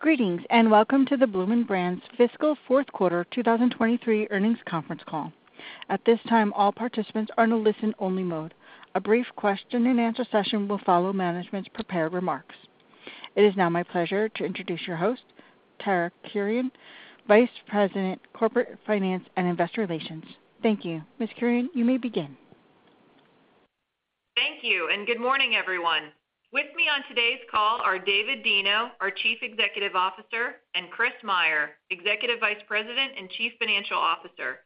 Greetings and welcome to the Bloomin' Brands fiscal fourth quarter 2023 earnings conference call. At this time, all participants are in a listen-only mode. A brief question-and-answer session will follow management's prepared remarks. It is now my pleasure to introduce your host, Tara Kurian, Vice President, Corporate Finance and Investor Relations. Thank you. Ms. Kurian, you may begin. Thank you, and good morning, everyone. With me on today's call are David Deno, our Chief Executive Officer, and Chris Meyer, Executive Vice President and Chief Financial Officer.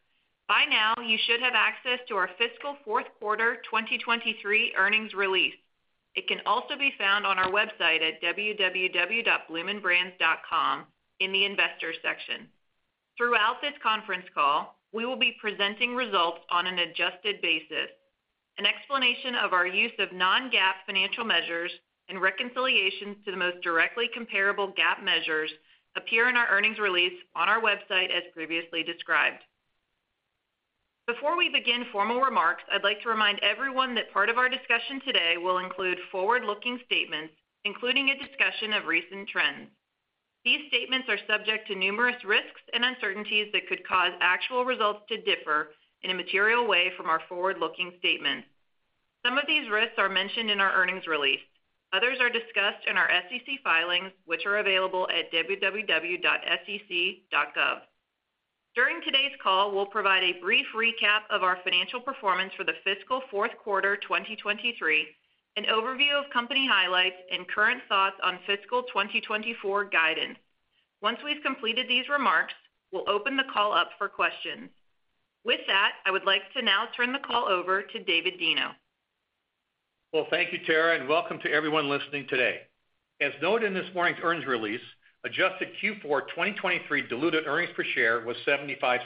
By now, you should have access to our fiscal fourth quarter 2023 earnings release. It can also be found on our website at www.bloominbrands.com in the Investors section. Throughout this conference call, we will be presenting results on an adjusted basis. An explanation of our use of non-GAAP financial measures and reconciliations to the most directly comparable GAAP measures appear in our earnings release on our website as previously described. Before we begin formal remarks, I'd like to remind everyone that part of our discussion today will include forward-looking statements, including a discussion of recent trends. These statements are subject to numerous risks and uncertainties that could cause actual results to differ in a material way from our forward-looking statements. Some of these risks are mentioned in our earnings release. Others are discussed in our SEC filings, which are available at www.sec.gov. During today's call, we'll provide a brief recap of our financial performance for the fiscal fourth quarter 2023, an overview of company highlights, and current thoughts on fiscal 2024 guidance. Once we've completed these remarks, we'll open the call up for questions. With that, I would like to now turn the call over to David Deno. Well, thank you, Tara, and welcome to everyone listening today. As noted in this morning's earnings release, adjusted Q4 2023 diluted earnings per share was $0.75.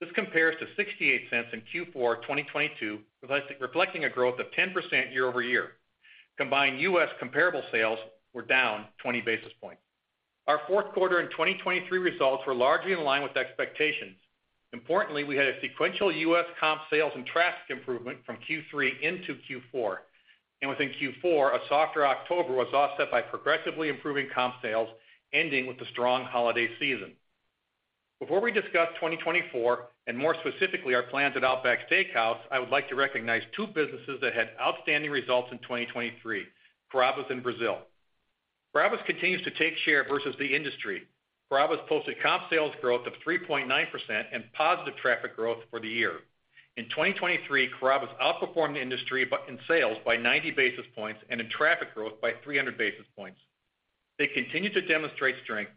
This compares to $0.68 in Q4 2022, reflecting a growth of 10% year-over-year. Combined U.S. comparable sales were down 20 basis points. Our fourth quarter and 2023 results were largely in line with expectations. Importantly, we had a sequential U.S. comp sales and traffic improvement from Q3 into Q4, and within Q4, a softer October was offset by progressively improving comp sales, ending with a strong holiday season. Before we discuss 2024 and more specifically our plans at Outback Steakhouse, I would like to recognize two businesses that had outstanding results in 2023: Carrabba's and Brazil. Carrabba's continues to take share versus the industry. Carrabba's posted comp sales growth of 3.9% and positive traffic growth for the year. In 2023, Carrabba's outperformed the industry in sales by 90 basis points and in traffic growth by 300 basis points. They continue to demonstrate strength,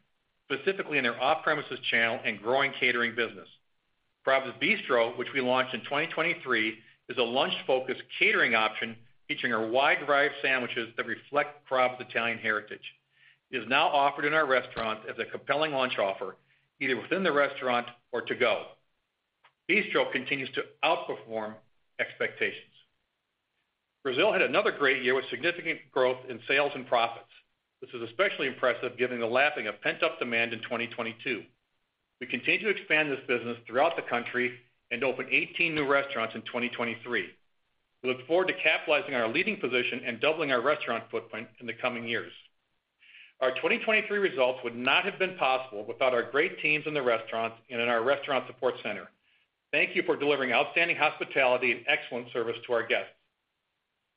specifically in their off-premises channel and growing catering business. Carrabba's Bistro, which we launched in 2023, is a lunch-focused catering option featuring our wide variety of sandwiches that reflect Carrabba's Italian heritage. It is now offered in our restaurants as a compelling lunch offer, either within the restaurant or to go. Bistro continues to outperform expectations. Brazil had another great year with significant growth in sales and profits. This is especially impressive given the lapping of pent-up demand in 2022. We continue to expand this business throughout the country and open 18 new restaurants in 2023. We look forward to capitalizing on our leading position and doubling our restaurant footprint in the coming years. Our 2023 results would not have been possible without our great teams in the restaurants and in our Restaurant Support Center. Thank you for delivering outstanding hospitality and excellent service to our guests.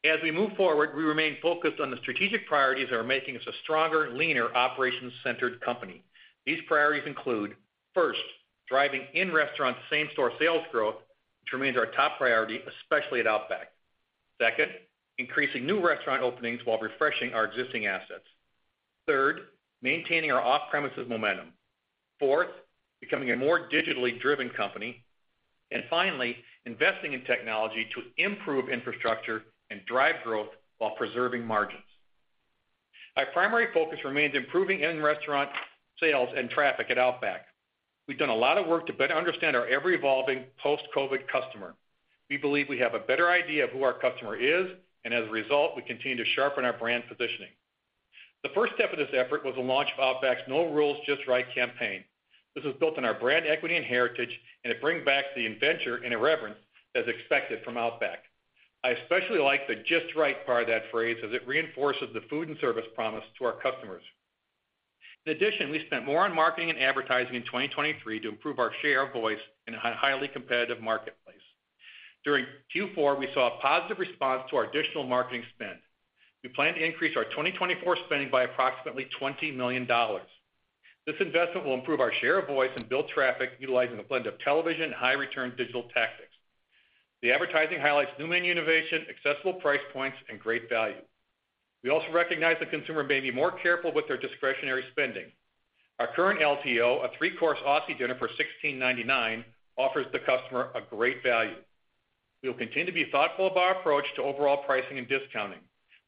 As we move forward, we remain focused on the strategic priorities that are making us a stronger, leaner, operations-centered company. These priorities include: First, driving in-restaurant same-store sales growth, which remains our top priority, especially at Outback. Second, increasing new restaurant openings while refreshing our existing assets. Third, maintaining our off-premises momentum. Fourth, becoming a more digitally driven company. And finally, investing in technology to improve infrastructure and drive growth while preserving margins. Our primary focus remains improving in-restaurant sales and traffic at Outback. We've done a lot of work to better understand our ever-evolving post-COVID customer. We believe we have a better idea of who our customer is, and as a result, we continue to sharpen our brand positioning. The first step of this effort was the launch of Outback's "No Rules, Just Right" campaign. This was built on our brand equity and heritage, and it brings back the adventure and irreverence that is expected from Outback. I especially like the "Just Right" part of that phrase as it reinforces the food and service promise to our customers. In addition, we spent more on marketing and advertising in 2023 to improve our share of voice in a highly competitive marketplace. During Q4, we saw a positive response to our additional marketing spend. We plan to increase our 2024 spending by approximately $20 million. This investment will improve our share of voice and build traffic utilizing a blend of television and high-return digital tactics. The advertising highlights new menu innovation, accessible price points, and great value. We also recognize that consumers may be more careful with their discretionary spending. Our current LTO, a three-course Aussie dinner for $16.99, offers the customer a great value. We will continue to be thoughtful about our approach to overall pricing and discounting.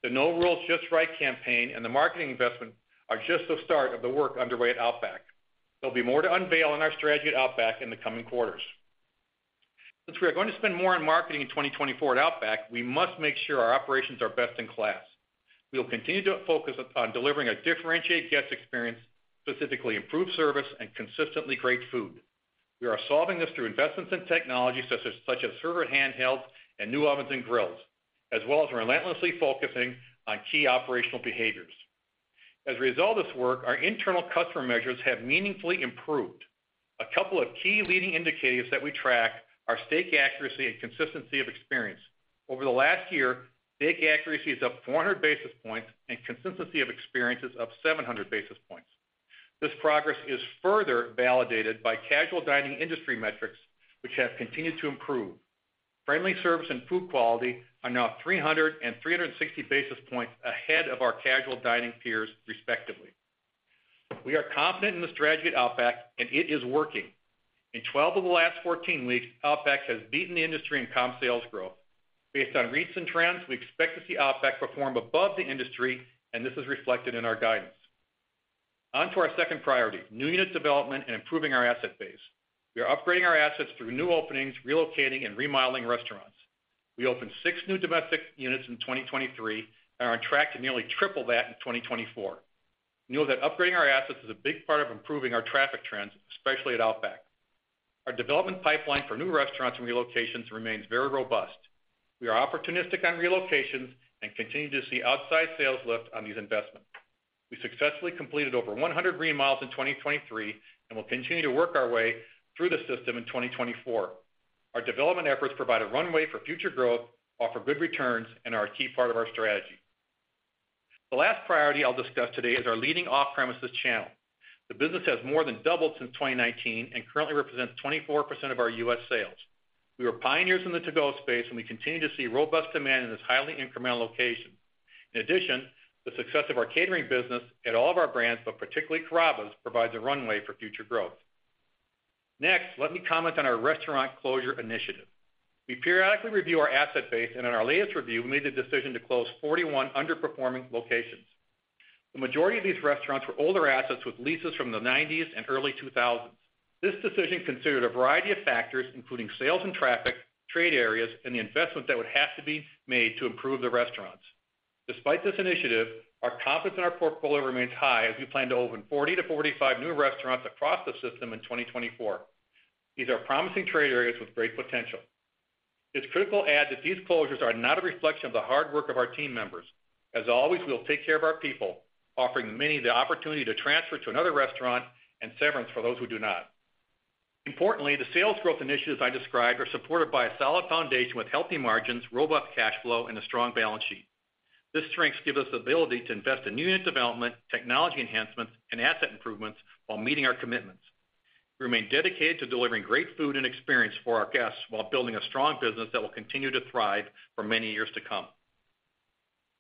The "No Rules, Just Right" campaign and the marketing investment are just the start of the work underway at Outback. There'll be more to unveil in our strategy at Outback in the coming quarters. Since we are going to spend more on marketing in 2024 at Outback, we must make sure our operations are best in class. We will continue to focus on delivering a differentiated guest experience, specifically improved service, and consistently great food. We are solving this through investments in technology such as server handhelds and new ovens and grills, as well as relentlessly focusing on key operational behaviors. As a result of this work, our internal customer measures have meaningfully improved. A couple of key leading indicators that we track are steak accuracy and consistency of experience. Over the last year, steak accuracy is up 400 basis points and consistency of experience is up 700 basis points. This progress is further validated by casual dining industry metrics, which have continued to improve. Friendly service and food quality are now 300 and 360 basis points ahead of our casual dining peers, respectively. We are confident in the strategy at Outback, and it is working. In 12 of the last 14 weeks, Outback has beaten the industry in comp sales growth. Based on recent trends, we expect to see Outback perform above the industry, and this is reflected in our guidance. On to our second priority, new unit development and improving our asset base. We are upgrading our assets through new openings, relocating, and remodeling restaurants. We opened six new domestic units in 2023 and are on track to nearly triple that in 2024. We know that upgrading our assets is a big part of improving our traffic trends, especially at Outback. Our development pipeline for new restaurants and relocations remains very robust. We are opportunistic on relocations and continue to see outsized sales lift on these investments. We successfully completed over 100 remodels in 2023 and will continue to work our way through the system in 2024. Our development efforts provide a runway for future growth, offer good returns, and are a key part of our strategy. The last priority I'll discuss today is our leading off-premises channel. The business has more than doubled since 2019 and currently represents 24% of our U.S. sales. We were pioneers in the to-go space, and we continue to see robust demand in this highly incremental location. In addition, the success of our catering business at all of our brands, but particularly Carrabba's, provides a runway for future growth. Next, let me comment on our restaurant closure initiative. We periodically review our asset base, and in our latest review, we made the decision to close 41 underperforming locations. The majority of these restaurants were older assets with leases from the 1990s and early 2000s. This decision considered a variety of factors, including sales and traffic, trade areas, and the investment that would have to be made to improve the restaurants. Despite this initiative, our confidence in our portfolio remains high as we plan to open 40-45 new restaurants across the system in 2024. These are promising trade areas with great potential. It's critical to add that these closures are not a reflection of the hard work of our team members. As always, we will take care of our people, offering many the opportunity to transfer to another restaurant and severance for those who do not. Importantly, the sales growth initiatives I described are supported by a solid foundation with healthy margins, robust cash flow, and a strong balance sheet. This strength gives us the ability to invest in new unit development, technology enhancements, and asset improvements while meeting our commitments. We remain dedicated to delivering great food and experience for our guests while building a strong business that will continue to thrive for many years to come.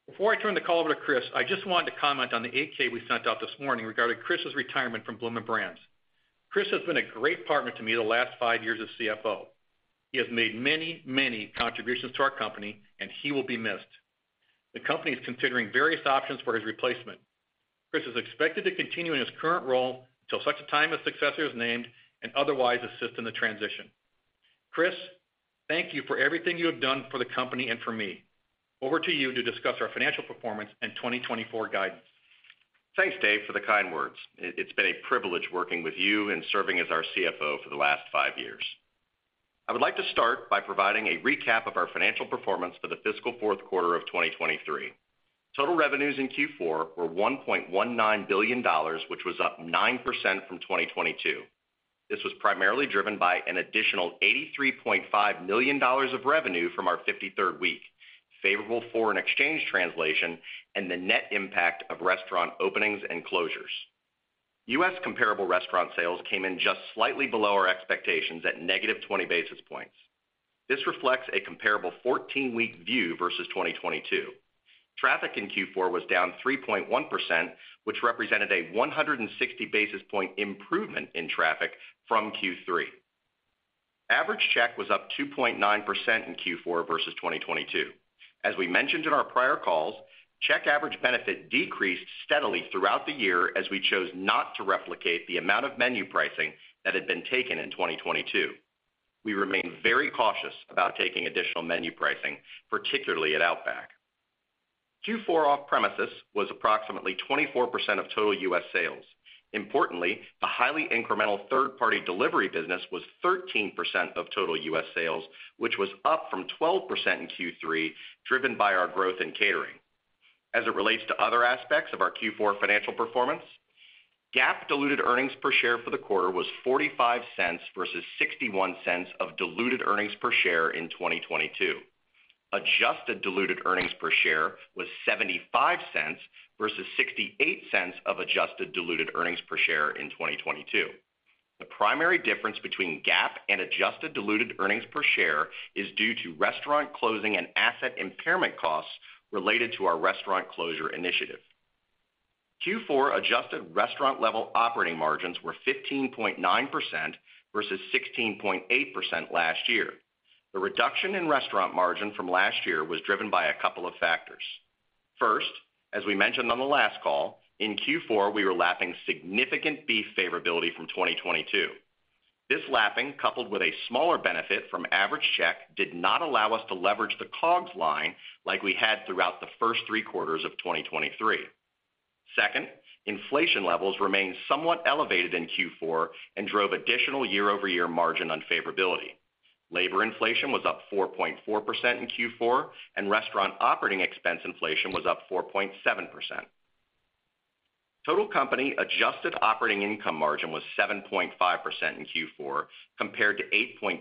Before I turn the call over to Chris, I just wanted to comment on the 8-K we sent out this morning regarding Chris's retirement from Bloomin' Brands. Chris has been a great partner to me the last five years as CFO. He has made many, many contributions to our company, and he will be missed. The company is considering various options for his replacement. Chris is expected to continue in his current role until such a time as successor is named and otherwise assist in the transition. Chris, thank you for everything you have done for the company and for me. Over to you to discuss our financial performance and 2024 guidance. Thanks, Dave, for the kind words. It's been a privilege working with you and serving as our CFO for the last five years. I would like to start by providing a recap of our financial performance for the fiscal fourth quarter of 2023. Total revenues in Q4 were $1.19 billion, which was up 9% from 2022. This was primarily driven by an additional $83.5 million of revenue from our 53rd week, favorable foreign exchange translation, and the net impact of restaurant openings and closures. U.S. comparable restaurant sales came in just slightly below our expectations at -20 basis points. This reflects a comparable 14-week view versus 2022. Traffic in Q4 was down 3.1%, which represented a 160 basis point improvement in traffic from Q3. Average check was up 2.9% in Q4 versus 2022. As we mentioned in our prior calls, average check decreased steadily throughout the year as we chose not to replicate the amount of menu pricing that had been taken in 2022. We remain very cautious about taking additional menu pricing, particularly at Outback. Q4 off-premises was approximately 24% of total U.S. sales. Importantly, the highly incremental third-party delivery business was 13% of total U.S. sales, which was up from 12% in Q3, driven by our growth in catering. As it relates to other aspects of our Q4 financial performance, GAAP diluted earnings per share for the quarter was $0.45 versus $0.61 of diluted earnings per share in 2022. Adjusted diluted earnings per share was $0.75 versus $0.68 of adjusted diluted earnings per share in 2022. The primary difference between GAAP and adjusted diluted earnings per share is due to restaurant closing and asset impairment costs related to our restaurant closure initiative. Q4 adjusted restaurant-level operating margins were 15.9% versus 16.8% last year. The reduction in restaurant margin from last year was driven by a couple of factors. First, as we mentioned on the last call, in Q4 we were lapping significant beef favorability from 2022. This lapping, coupled with a smaller benefit from average check, did not allow us to leverage the COGS line like we had throughout the first three quarters of 2023. Second, inflation levels remained somewhat elevated in Q4 and drove additional year-over-year margin unfavorability. Labor inflation was up 4.4% in Q4, and restaurant operating expense inflation was up 4.7%. Total company adjusted operating income margin was 7.5% in Q4 compared to 8.2%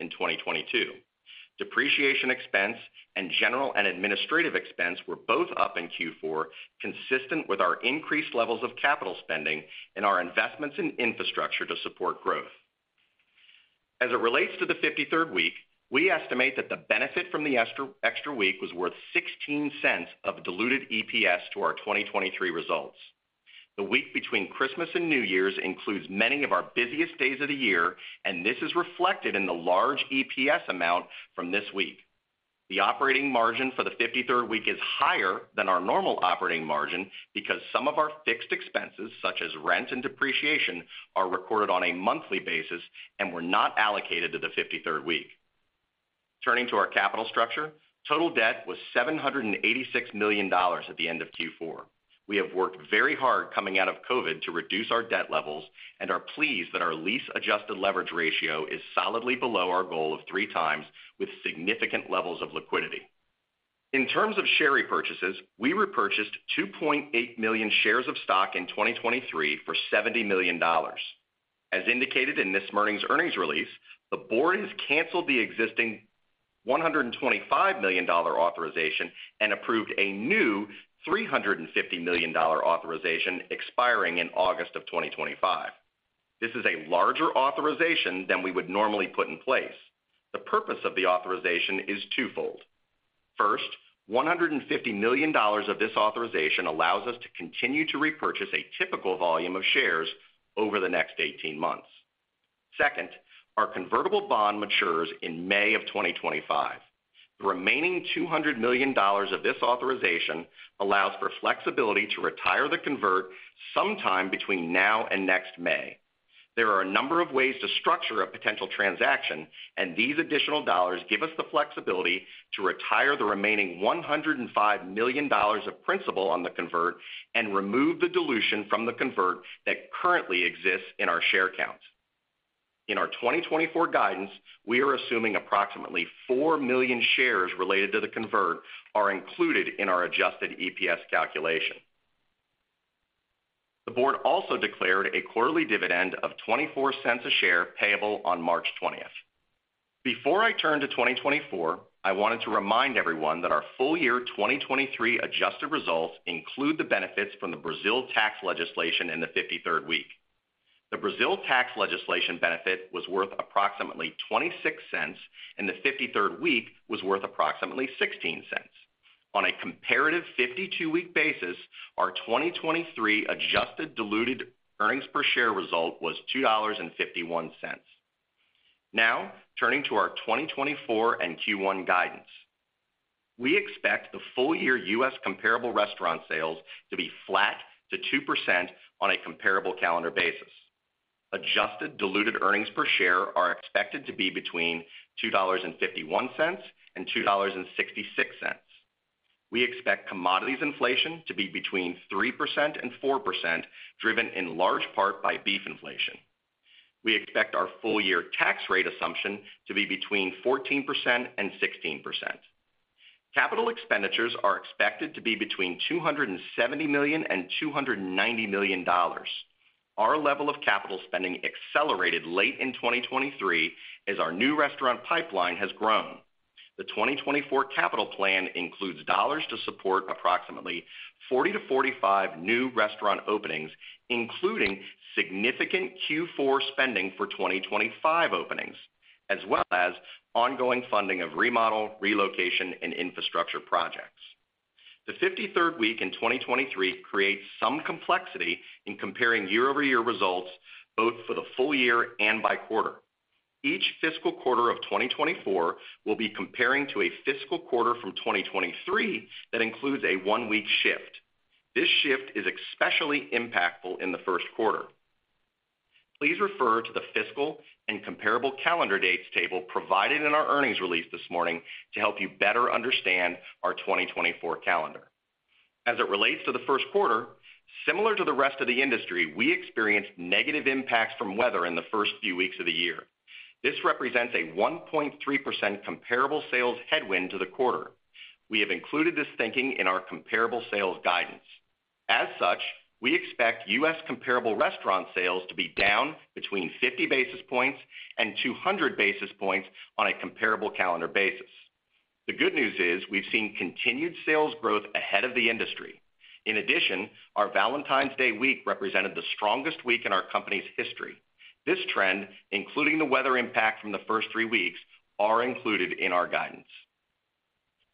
in 2022. Depreciation expense and general and administrative expense were both up in Q4, consistent with our increased levels of capital spending and our investments in infrastructure to support growth. As it relates to the 53rd week, we estimate that the benefit from the extra week was worth $0.16 of diluted EPS to our 2023 results. The week between Christmas and New Year's includes many of our busiest days of the year, and this is reflected in the large EPS amount from this week. The operating margin for the 53rd week is higher than our normal operating margin because some of our fixed expenses, such as rent and depreciation, are recorded on a monthly basis and were not allocated to the 53rd week. Turning to our capital structure, total debt was $786 million at the end of Q4. We have worked very hard coming out of COVID to reduce our debt levels, and are pleased that our Lease Adjusted Leverage Ratio is solidly below our goal of three times with significant levels of liquidity. In terms of share repurchases, we repurchased 2.8 million shares of stock in 2023 for $70 million. As indicated in this morning's earnings release, the board has canceled the existing $125 million authorization and approved a new $350 million authorization expiring in August of 2025. This is a larger authorization than we would normally put in place. The purpose of the authorization is twofold. First, $150 million of this authorization allows us to continue to repurchase a typical volume of shares over the next 18 months. Second, our convertible bond matures in May of 2025. The remaining $200 million of this authorization allows for flexibility to retire the convert sometime between now and next May. There are a number of ways to structure a potential transaction, and these additional dollars give us the flexibility to retire the remaining $105 million of principal on the convert and remove the dilution from the convert that currently exists in our share count. In our 2024 guidance, we are assuming approximately 4 million shares related to the convert are included in our adjusted EPS calculation. The board also declared a quarterly dividend of $0.24 a share payable on March 20th. Before I turn to 2024, I wanted to remind everyone that our full-year 2023 adjusted results include the benefits from the Brazil tax legislation in the 53rd week. The Brazil tax legislation benefit was worth approximately $0.26, and the 53rd week was worth approximately $0.16. On a comparative 52-week basis, our 2023 adjusted diluted earnings per share result was $2.51. Now, turning to our 2024 and Q1 guidance. We expect the full-year U.S. comparable restaurant sales to be flat to 2% on a comparable calendar basis. Adjusted diluted earnings per share are expected to be between $2.51-$2.66. We expect commodities inflation to be between 3%-4%, driven in large part by beef inflation. We expect our full-year tax rate assumption to be between 14%-16%. Capital expenditures are expected to be between $270 million-$290 million. Our level of capital spending accelerated late in 2023 as our new restaurant pipeline has grown. The 2024 capital plan includes dollars to support approximately 40-45 new restaurant openings, including significant Q4 spending for 2025 openings, as well as ongoing funding of remodel, relocation, and infrastructure projects. The 53rd week in 2023 creates some complexity in comparing year-over-year results, both for the full year and by quarter. Each fiscal quarter of 2024 will be comparing to a fiscal quarter from 2023 that includes a one-week shift. This shift is especially impactful in the first quarter. Please refer to the fiscal and comparable calendar dates table provided in our earnings release this morning to help you better understand our 2024 calendar. As it relates to the first quarter, similar to the rest of the industry, we experienced negative impacts from weather in the first few weeks of the year. This represents a 1.3% comparable sales headwind to the quarter. We have included this thinking in our comparable sales guidance. As such, we expect U.S. comparable restaurant sales to be down between 50 basis points and 200 basis points on a comparable calendar basis. The good news is we've seen continued sales growth ahead of the industry. In addition, our Valentine's Day week represented the strongest week in our company's history. This trend, including the weather impact from the first three weeks, is included in our guidance.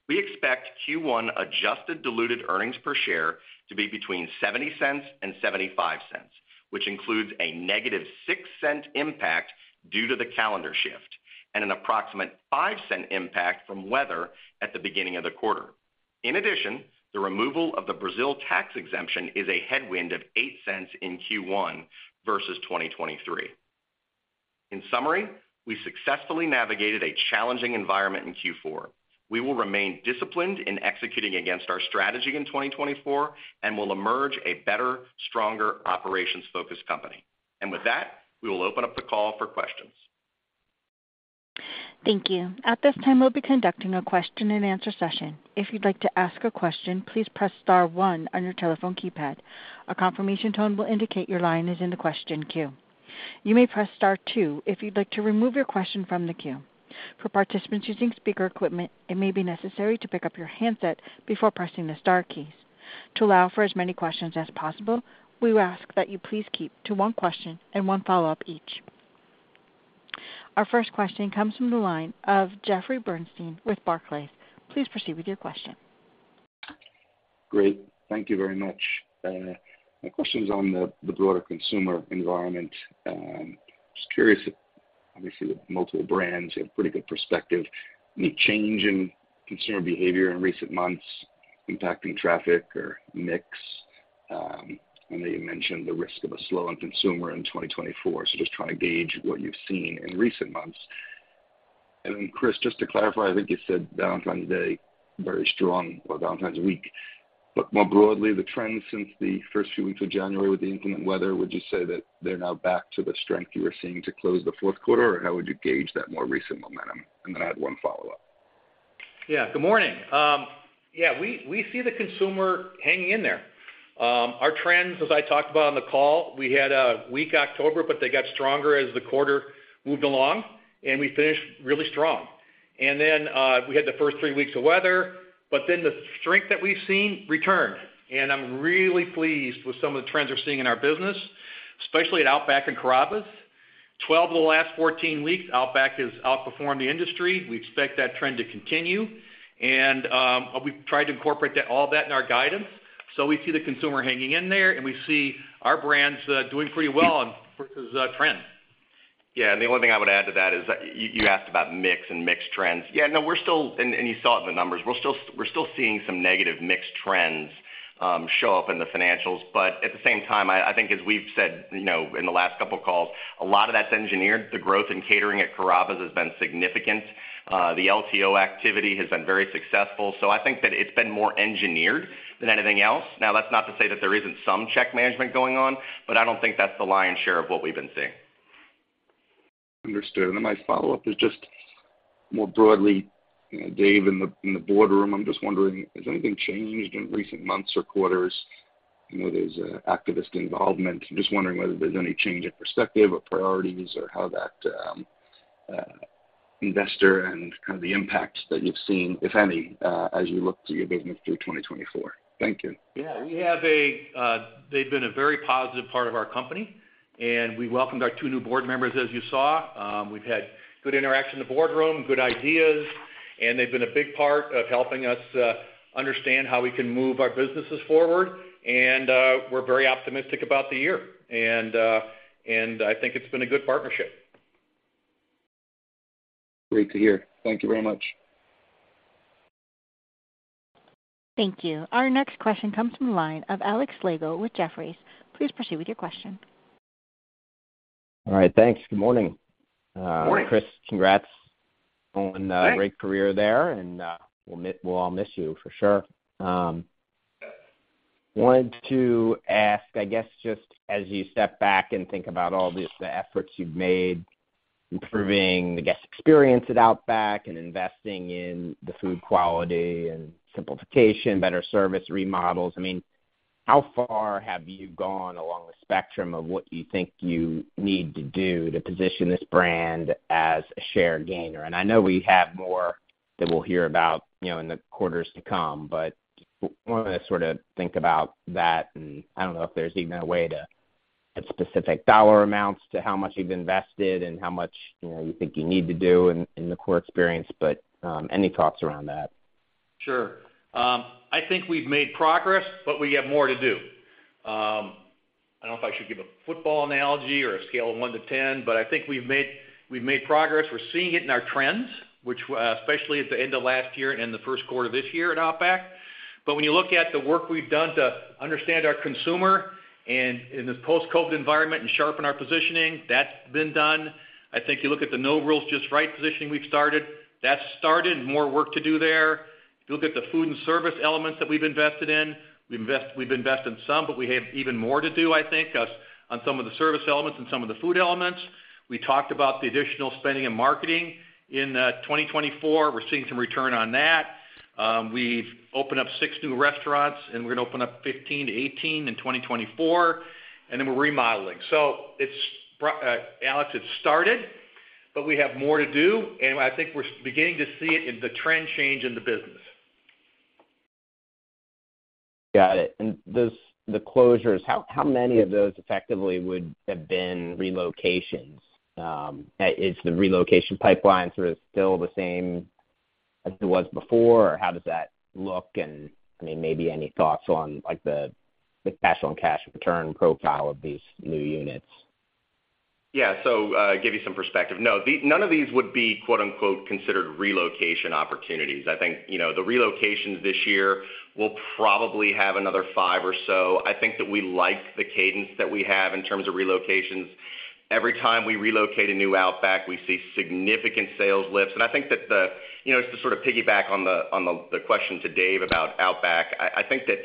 We expect Q1 adjusted diluted earnings per share to be between $0.70 and $0.75, which includes a negative $0.06 impact due to the calendar shift and an approximate $0.05 impact from weather at the beginning of the quarter. In addition, the removal of the Brazil tax exemption is a headwind of $0.08 in Q1 versus 2023. In summary, we successfully navigated a challenging environment in Q4. We will remain disciplined in executing against our strategy in 2024 and will emerge a better, stronger operations-focused company. With that, we will open up the call for questions. Thank you. At this time, we'll be conducting a question-and-answer session. If you'd like to ask a question, please press star one on your telephone keypad. A confirmation tone will indicate your line is in the question queue. You may press star two if you'd like to remove your question from the queue. For participants using speaker equipment, it may be necessary to pick up your handset before pressing the star keys. To allow for as many questions as possible, we ask that you please keep to one question and one follow-up each. Our first question comes from the line of Jeffrey Bernstein with Barclays. Please proceed with your question. Great. Thank you very much. My question is on the broader consumer environment. I'm just curious if obviously, with multiple brands, you have pretty good perspective. Any change in consumer behavior in recent months impacting traffic or mix? And then you mentioned the risk of a slowing consumer in 2024, so just trying to gauge what you've seen in recent months. And then, Chris, just to clarify, I think you said Valentine's Day very strong or Valentine's Week. But more broadly, the trends since the first few weeks of January with the inclement weather, would you say that they're now back to the strength you were seeing to close the fourth quarter, or how would you gauge that more recent momentum? And then I had one follow-up. Yeah. Good morning. Yeah, we see the consumer hanging in there. Our trends, as I talked about on the call, we had a weak October, but they got stronger as the quarter moved along, and we finished really strong. Then we had the first three weeks of weather, but then the strength that we've seen returned. I'm really pleased with some of the trends we're seeing in our business, especially at Outback and Carrabba's. 12 of the last 14 weeks, Outback has outperformed the industry. We expect that trend to continue. We've tried to incorporate all that in our guidance. So we see the consumer hanging in there, and we see our brands doing pretty well versus trends. Yeah. And the only thing I would add to that is you asked about mix and mixed trends. Yeah, no, we're still and you saw it in the numbers. We're still seeing some negative mixed trends show up in the financials. But at the same time, I think, as we've said in the last couple of calls, a lot of that's engineered. The growth in catering at Carrabba's has been significant. The LTO activity has been very successful. So I think that it's been more engineered than anything else. Now, that's not to say that there isn't some check management going on, but I don't think that's the lion's share of what we've been seeing. Understood. And then my follow-up is just more broadly, Dave, in the boardroom, I'm just wondering, has anything changed in recent months or quarters? I know there's activist involvement. I'm just wondering whether there's any change in perspective or priorities or how that investor and kind of the impact that you've seen, if any, as you look to your business through 2024. Thank you. Yeah. They've been a very positive part of our company, and we welcomed our two new board members, as you saw. We've had good interaction in the boardroom, good ideas, and they've been a big part of helping us understand how we can move our businesses forward. And we're very optimistic about the year, and I think it's been a good partnership. Great to hear. Thank you very much. Thank you. Our next question comes from the line of Alex Slagle with Jefferies. Please proceed with your question. All right. Thanks. Good morning. Good morning. Chris, congrats on a great career there, and we'll all miss you for sure. Wanted to ask, I guess, just as you step back and think about all the efforts you've made improving, I guess, experience at Outback and investing in the food quality and simplification, better service, remodels. I mean, how far have you gone along the spectrum of what you think you need to do to position this brand as a share gainer? And I know we have more that we'll hear about in the quarters to come, but I wanted to sort of think about that. And I don't know if there's even a way to get specific dollar amounts to how much you've invested and how much you think you need to do in the core experience, but any thoughts around that? Sure. I think we've made progress, but we have more to do. I don't know if I should give a football analogy or a scale of one to 10, but I think we've made progress. We're seeing it in our trends, especially at the end of last year and in the first quarter of this year at Outback. But when you look at the work we've done to understand our consumer in this post-COVID environment and sharpen our positioning, that's been done. I think you look at the No Rules, Just Right positioning we've started, that's started. More work to do there. If you look at the food and service elements that we've invested in, we've invested in some, but we have even more to do, I think, on some of the service elements and some of the food elements. We talked about the additional spending in marketing. In 2024, we're seeing some return on that. We've opened up six new restaurants, and we're going to open up 15-18 in 2024. And then we're remodeling. So Alex, it's started, but we have more to do. And I think we're beginning to see it in the trend change in the business. Got it. And the closures, how many of those effectively would have been relocations? Is the relocation pipeline sort of still the same as it was before, or how does that look? And I mean, maybe any thoughts on the cash-on-cash return profile of these new units? Yeah. So give you some perspective. No, none of these would be considered relocation opportunities. I think the relocations this year will probably have another five or so. I think that we like the cadence that we have in terms of relocations. Every time we relocate a new Outback, we see significant sales lifts. And I think that the just to sort of piggyback on the question to Dave about Outback, I think that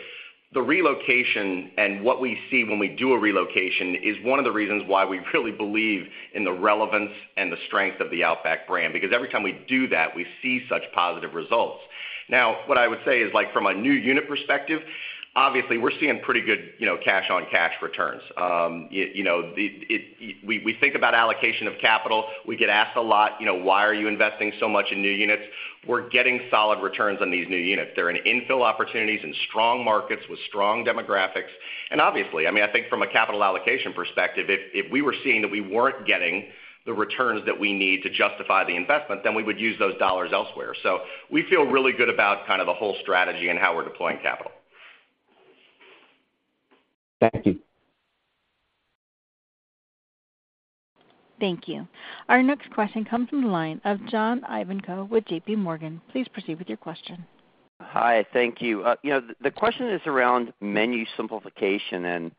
the relocation and what we see when we do a relocation is one of the reasons why we really believe in the relevance and the strength of the Outback brand, because every time we do that, we see such positive results. Now, what I would say is, from a new unit perspective, obviously, we're seeing pretty good cash-on-cash returns. We think about allocation of capital. We get asked a lot, "Why are you investing so much in new units?" We're getting solid returns on these new units. They're in infill opportunities in strong markets with strong demographics. And obviously, I mean, I think from a capital allocation perspective, if we were seeing that we weren't getting the returns that we need to justify the investment, then we would use those dollars elsewhere. So we feel really good about kind of the whole strategy and how we're deploying capital. Thank you. Thank you. Our next question comes from the line of John Ivanko with J.P. Morgan. Please proceed with your question. Hi. Thank you. The question is around menu simplification and,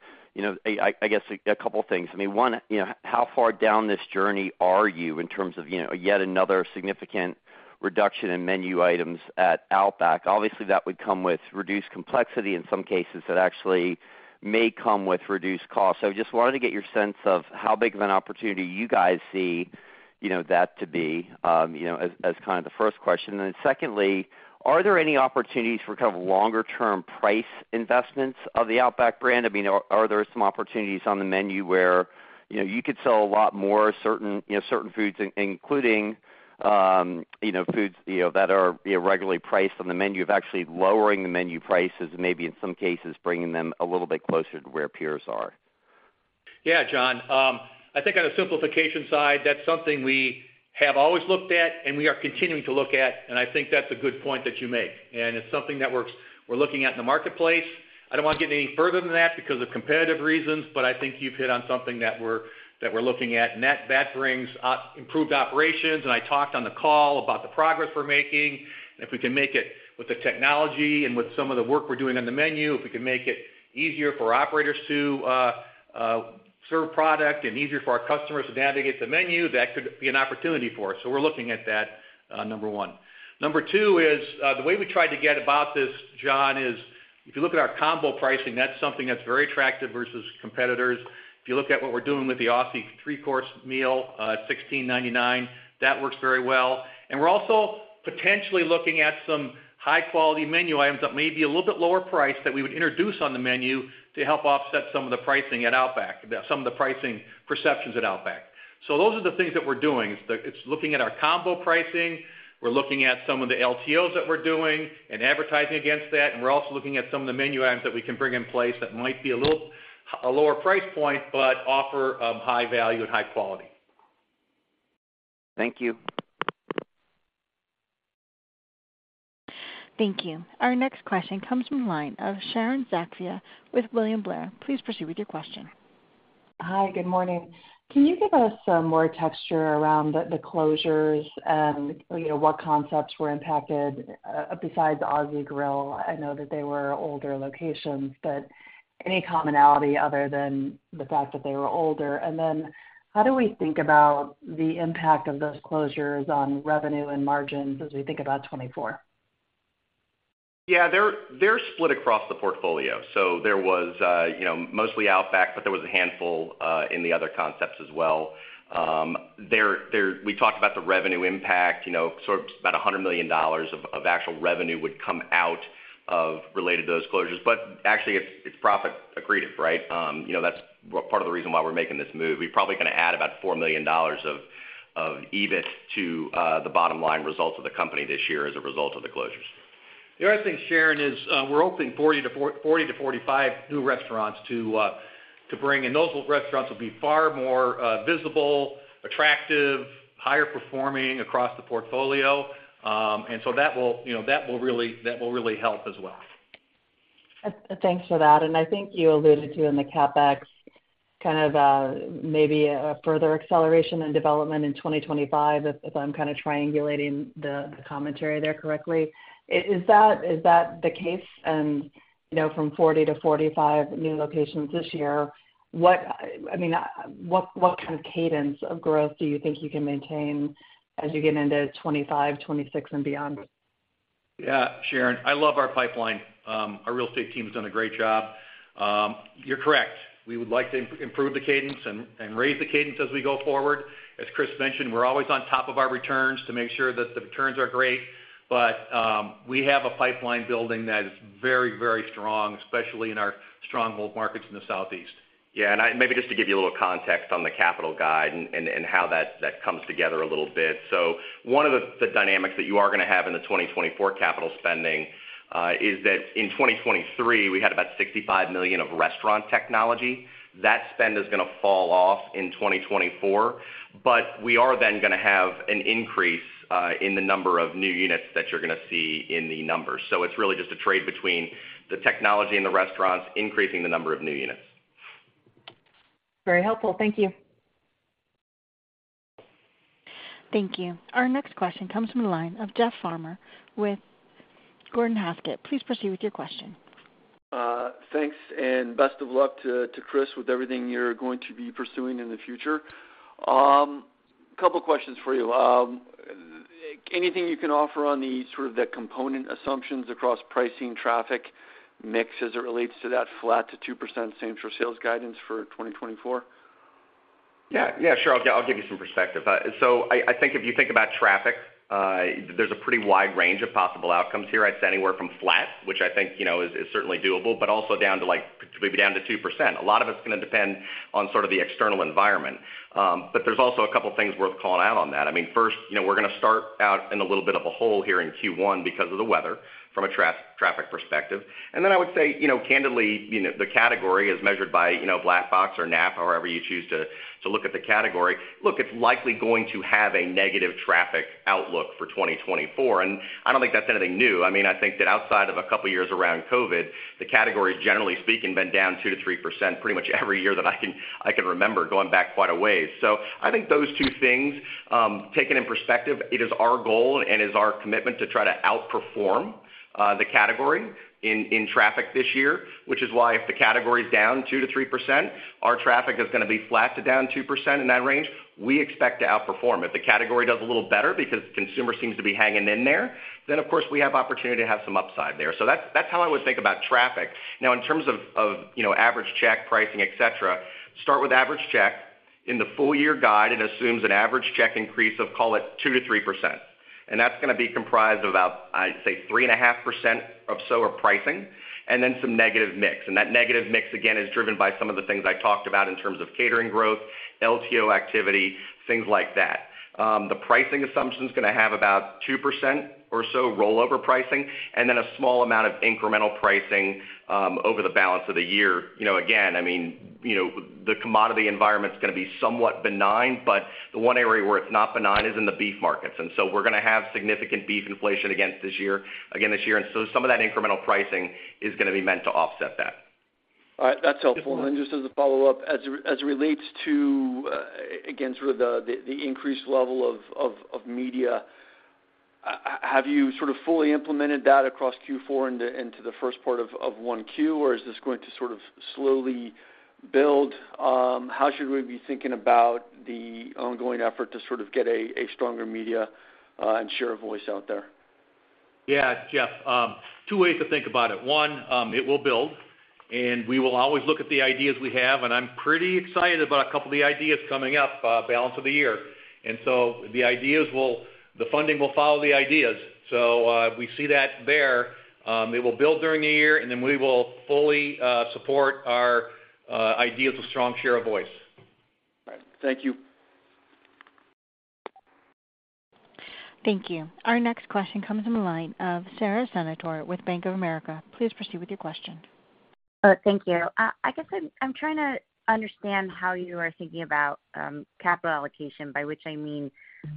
I guess, a couple of things. I mean, one, how far down this journey are you in terms of yet another significant reduction in menu items at Outback? Obviously, that would come with reduced complexity. In some cases, that actually may come with reduced costs. So I just wanted to get your sense of how big of an opportunity you guys see that to be as kind of the first question. And then secondly, are there any opportunities for kind of longer-term price investments of the Outback brand? I mean, are there some opportunities on the menu where you could sell a lot more certain foods, including foods that are regularly priced on the menu of actually lowering the menu prices and maybe, in some cases, bringing them a little bit closer to where peers are? Yeah, John. I think on the simplification side, that's something we have always looked at and we are continuing to look at. And I think that's a good point that you make. And it's something that we're looking at in the marketplace. I don't want to get any further than that because of competitive reasons, but I think you've hit on something that we're looking at. And that brings improved operations. And I talked on the call about the progress we're making. And if we can make it with the technology and with some of the work we're doing on the menu, if we can make it easier for operators to serve product and easier for our customers to navigate the menu, that could be an opportunity for us. So we're looking at that, number one. Number 2 is the way we tried to get about this, John, is if you look at our combo pricing, that's something that's very attractive versus competitors. If you look at what we're doing with the Aussie 3-Course Meal at $16.99, that works very well. And we're also potentially looking at some high-quality menu items that may be a little bit lower priced that we would introduce on the menu to help offset some of the pricing at Outback, some of the pricing perceptions at Outback. So those are the things that we're doing. It's looking at our combo pricing. We're looking at some of the LTOs that we're doing and advertising against that. And we're also looking at some of the menu items that we can bring in place that might be a little lower price point but offer high value and high quality. Thank you. Thank you. Our next question comes from the line of Sharon Zackfia with William Blair. Please proceed with your question. Hi. Good morning. Can you give us more texture around the closures and what concepts were impacted besides Aussie Grill? I know that they were older locations, but any commonality other than the fact that they were older? And then how do we think about the impact of those closures on revenue and margins as we think about 2024? Yeah. They're split across the portfolio. So there was mostly Outback, but there was a handful in the other concepts as well. We talked about the revenue impact. Sort of about $100 million of actual revenue would come out related to those closures. But actually, it's profit-accretive, right? That's part of the reason why we're making this move. We're probably going to add about $4 million of EBIT to the bottom-line results of the company this year as a result of the closures. The other thing, Sharon, is we're hoping 40-45 new restaurants to bring. And those restaurants will be far more visible, attractive, higher performing across the portfolio. And so that will really help as well. Thanks for that. And I think you alluded to in the CapEx kind of maybe a further acceleration and development in 2025, if I'm kind of triangulating the commentary there correctly. Is that the case? And from 40 to 45 new locations this year, I mean, what kind of cadence of growth do you think you can maintain as you get into 2025, 2026, and beyond? Yeah, Sharon. I love our pipeline. Our real estate team's done a great job. You're correct. We would like to improve the cadence and raise the cadence as we go forward. As Chris mentioned, we're always on top of our returns to make sure that the returns are great. But we have a pipeline building that is very, very strong, especially in our strong core markets in the Southeast. Yeah. Maybe just to give you a little context on the capital guide and how that comes together a little bit. So one of the dynamics that you are going to have in the 2024 capital spending is that in 2023, we had about $65 million of restaurant technology. That spend is going to fall off in 2024, but we are then going to have an increase in the number of new units that you're going to see in the numbers. So it's really just a trade between the technology and the restaurants increasing the number of new units. Very helpful. Thank you. Thank you. Our next question comes from the line of Jeff Farmer with Gordon Haskett. Please proceed with your question. Thanks. And best of luck to Chris with everything you're going to be pursuing in the future. A couple of questions for you. Anything you can offer on sort of the component assumptions across pricing, traffic mix as it relates to that flat to 2% same-store sales guidance for 2024? Yeah. Yeah, sure. I'll give you some perspective. So I think if you think about traffic, there's a pretty wide range of possible outcomes here. I'd say anywhere from flat, which I think is certainly doable, but also maybe down to 2%. A lot of it's going to depend on sort of the external environment. But there's also a couple of things worth calling out on that. I mean, first, we're going to start out in a little bit of a hole here in Q1 because of the weather from a traffic perspective. And then I would say, candidly, the category is measured by Black Box or Knapp-Track, however you choose to look at the category. Look, it's likely going to have a negative traffic outlook for 2024. And I don't think that's anything new. I mean, I think that outside of a couple of years around COVID, the category, generally speaking, has been down 2%-3% pretty much every year that I can remember going back quite a ways. So I think those two things, taken in perspective, it is our goal and is our commitment to try to outperform the category in traffic this year, which is why if the category's down 2%-3%, our traffic is going to be flat to down 2% in that range. We expect to outperform. If the category does a little better because consumer seems to be hanging in there, then, of course, we have opportunity to have some upside there. So that's how I would think about traffic. Now, in terms of average check pricing, etc., start with average check. In the full-year guide, it assumes an average check increase of, call it, 2%-3%. And that's going to be comprised of about, I'd say, 3.5% or so of pricing and then some negative mix. And that negative mix, again, is driven by some of the things I talked about in terms of catering growth, LTO activity, things like that. The pricing assumption's going to have about 2% or so rollover pricing and then a small amount of incremental pricing over the balance of the year. Again, I mean, the commodity environment's going to be somewhat benign, but the one area where it's not benign is in the beef markets. And so we're going to have significant beef inflation again this year. And so some of that incremental pricing is going to be meant to offset that. All right. That's helpful. And then just as a follow-up, as it relates to, again, sort of the increased level of media, have you sort of fully implemented that across Q4 into the first part of 1Q, or is this going to sort of slowly build? How should we be thinking about the ongoing effort to sort of get a stronger media and share a voice out there? Yeah, Jeff. Two ways to think about it. One, it will build. And we will always look at the ideas we have. And I'm pretty excited about a couple of the ideas coming up, balance of the year. And so the ideas will the funding will follow the ideas. So we see that there. It will build during the year, and then we will fully support our ideas of strong share of voice. All right. Thank you. Thank you. Our next question comes from the line of Sara Senatore with Bank of America. Please proceed with your question. Thank you. I guess I'm trying to understand how you are thinking about capital allocation, by which I mean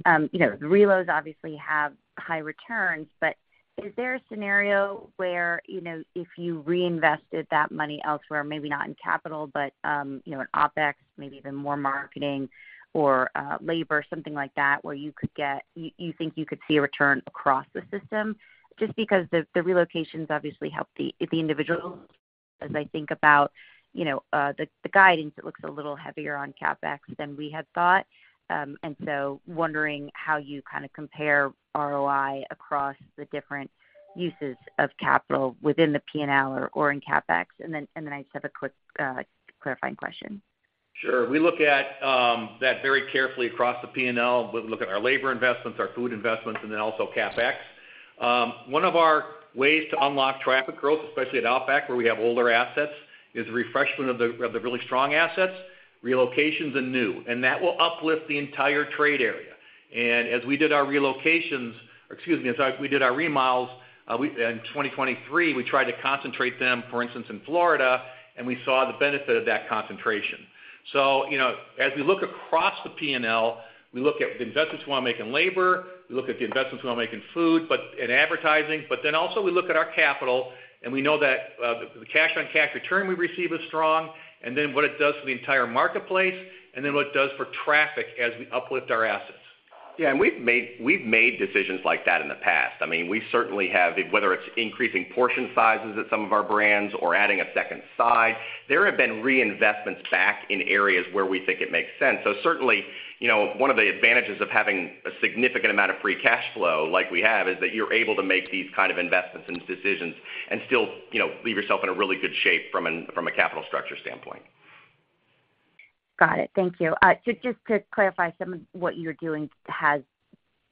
the relocations obviously have high returns. But is there a scenario where if you reinvested that money elsewhere, maybe not in capital but in OpEx, maybe even more marketing or labor, something like that, where you think you could see a return across the system? Just because the relocations obviously help the individuals. As I think about the guidance, it looks a little heavier on CapEx than we had thought. And so wondering how you kind of compare ROI across the different uses of capital within the P&L or in CapEx? And then I just have a quick clarifying question. Sure. We look at that very carefully across the P&L. We look at our labor investments, our food investments, and then also CapEx. One of our ways to unlock traffic growth, especially at Outback where we have older assets, is refreshment of the really strong assets, relocations, and new. And that will uplift the entire trade area. And as we did our relocations or excuse me, as we did our remodels in 2023, we tried to concentrate them, for instance, in Florida, and we saw the benefit of that concentration. So as we look across the P&L, we look at the investments we want to make in labor. We look at the investments we want to make in food and advertising. But then also, we look at our capital. We know that the cash-on-cash return we receive is strong and then what it does for the entire marketplace and then what it does for traffic as we uplift our assets. Yeah. And we've made decisions like that in the past. I mean, we certainly have, whether it's increasing portion sizes at some of our brands or adding a second side, there have been reinvestments back in areas where we think it makes sense. So certainly, one of the advantages of having a significant amount of free cash flow like we have is that you're able to make these kind of investments and decisions and still leave yourself in a really good shape from a capital structure standpoint. Got it. Thank you. Just to clarify, some of what you're doing has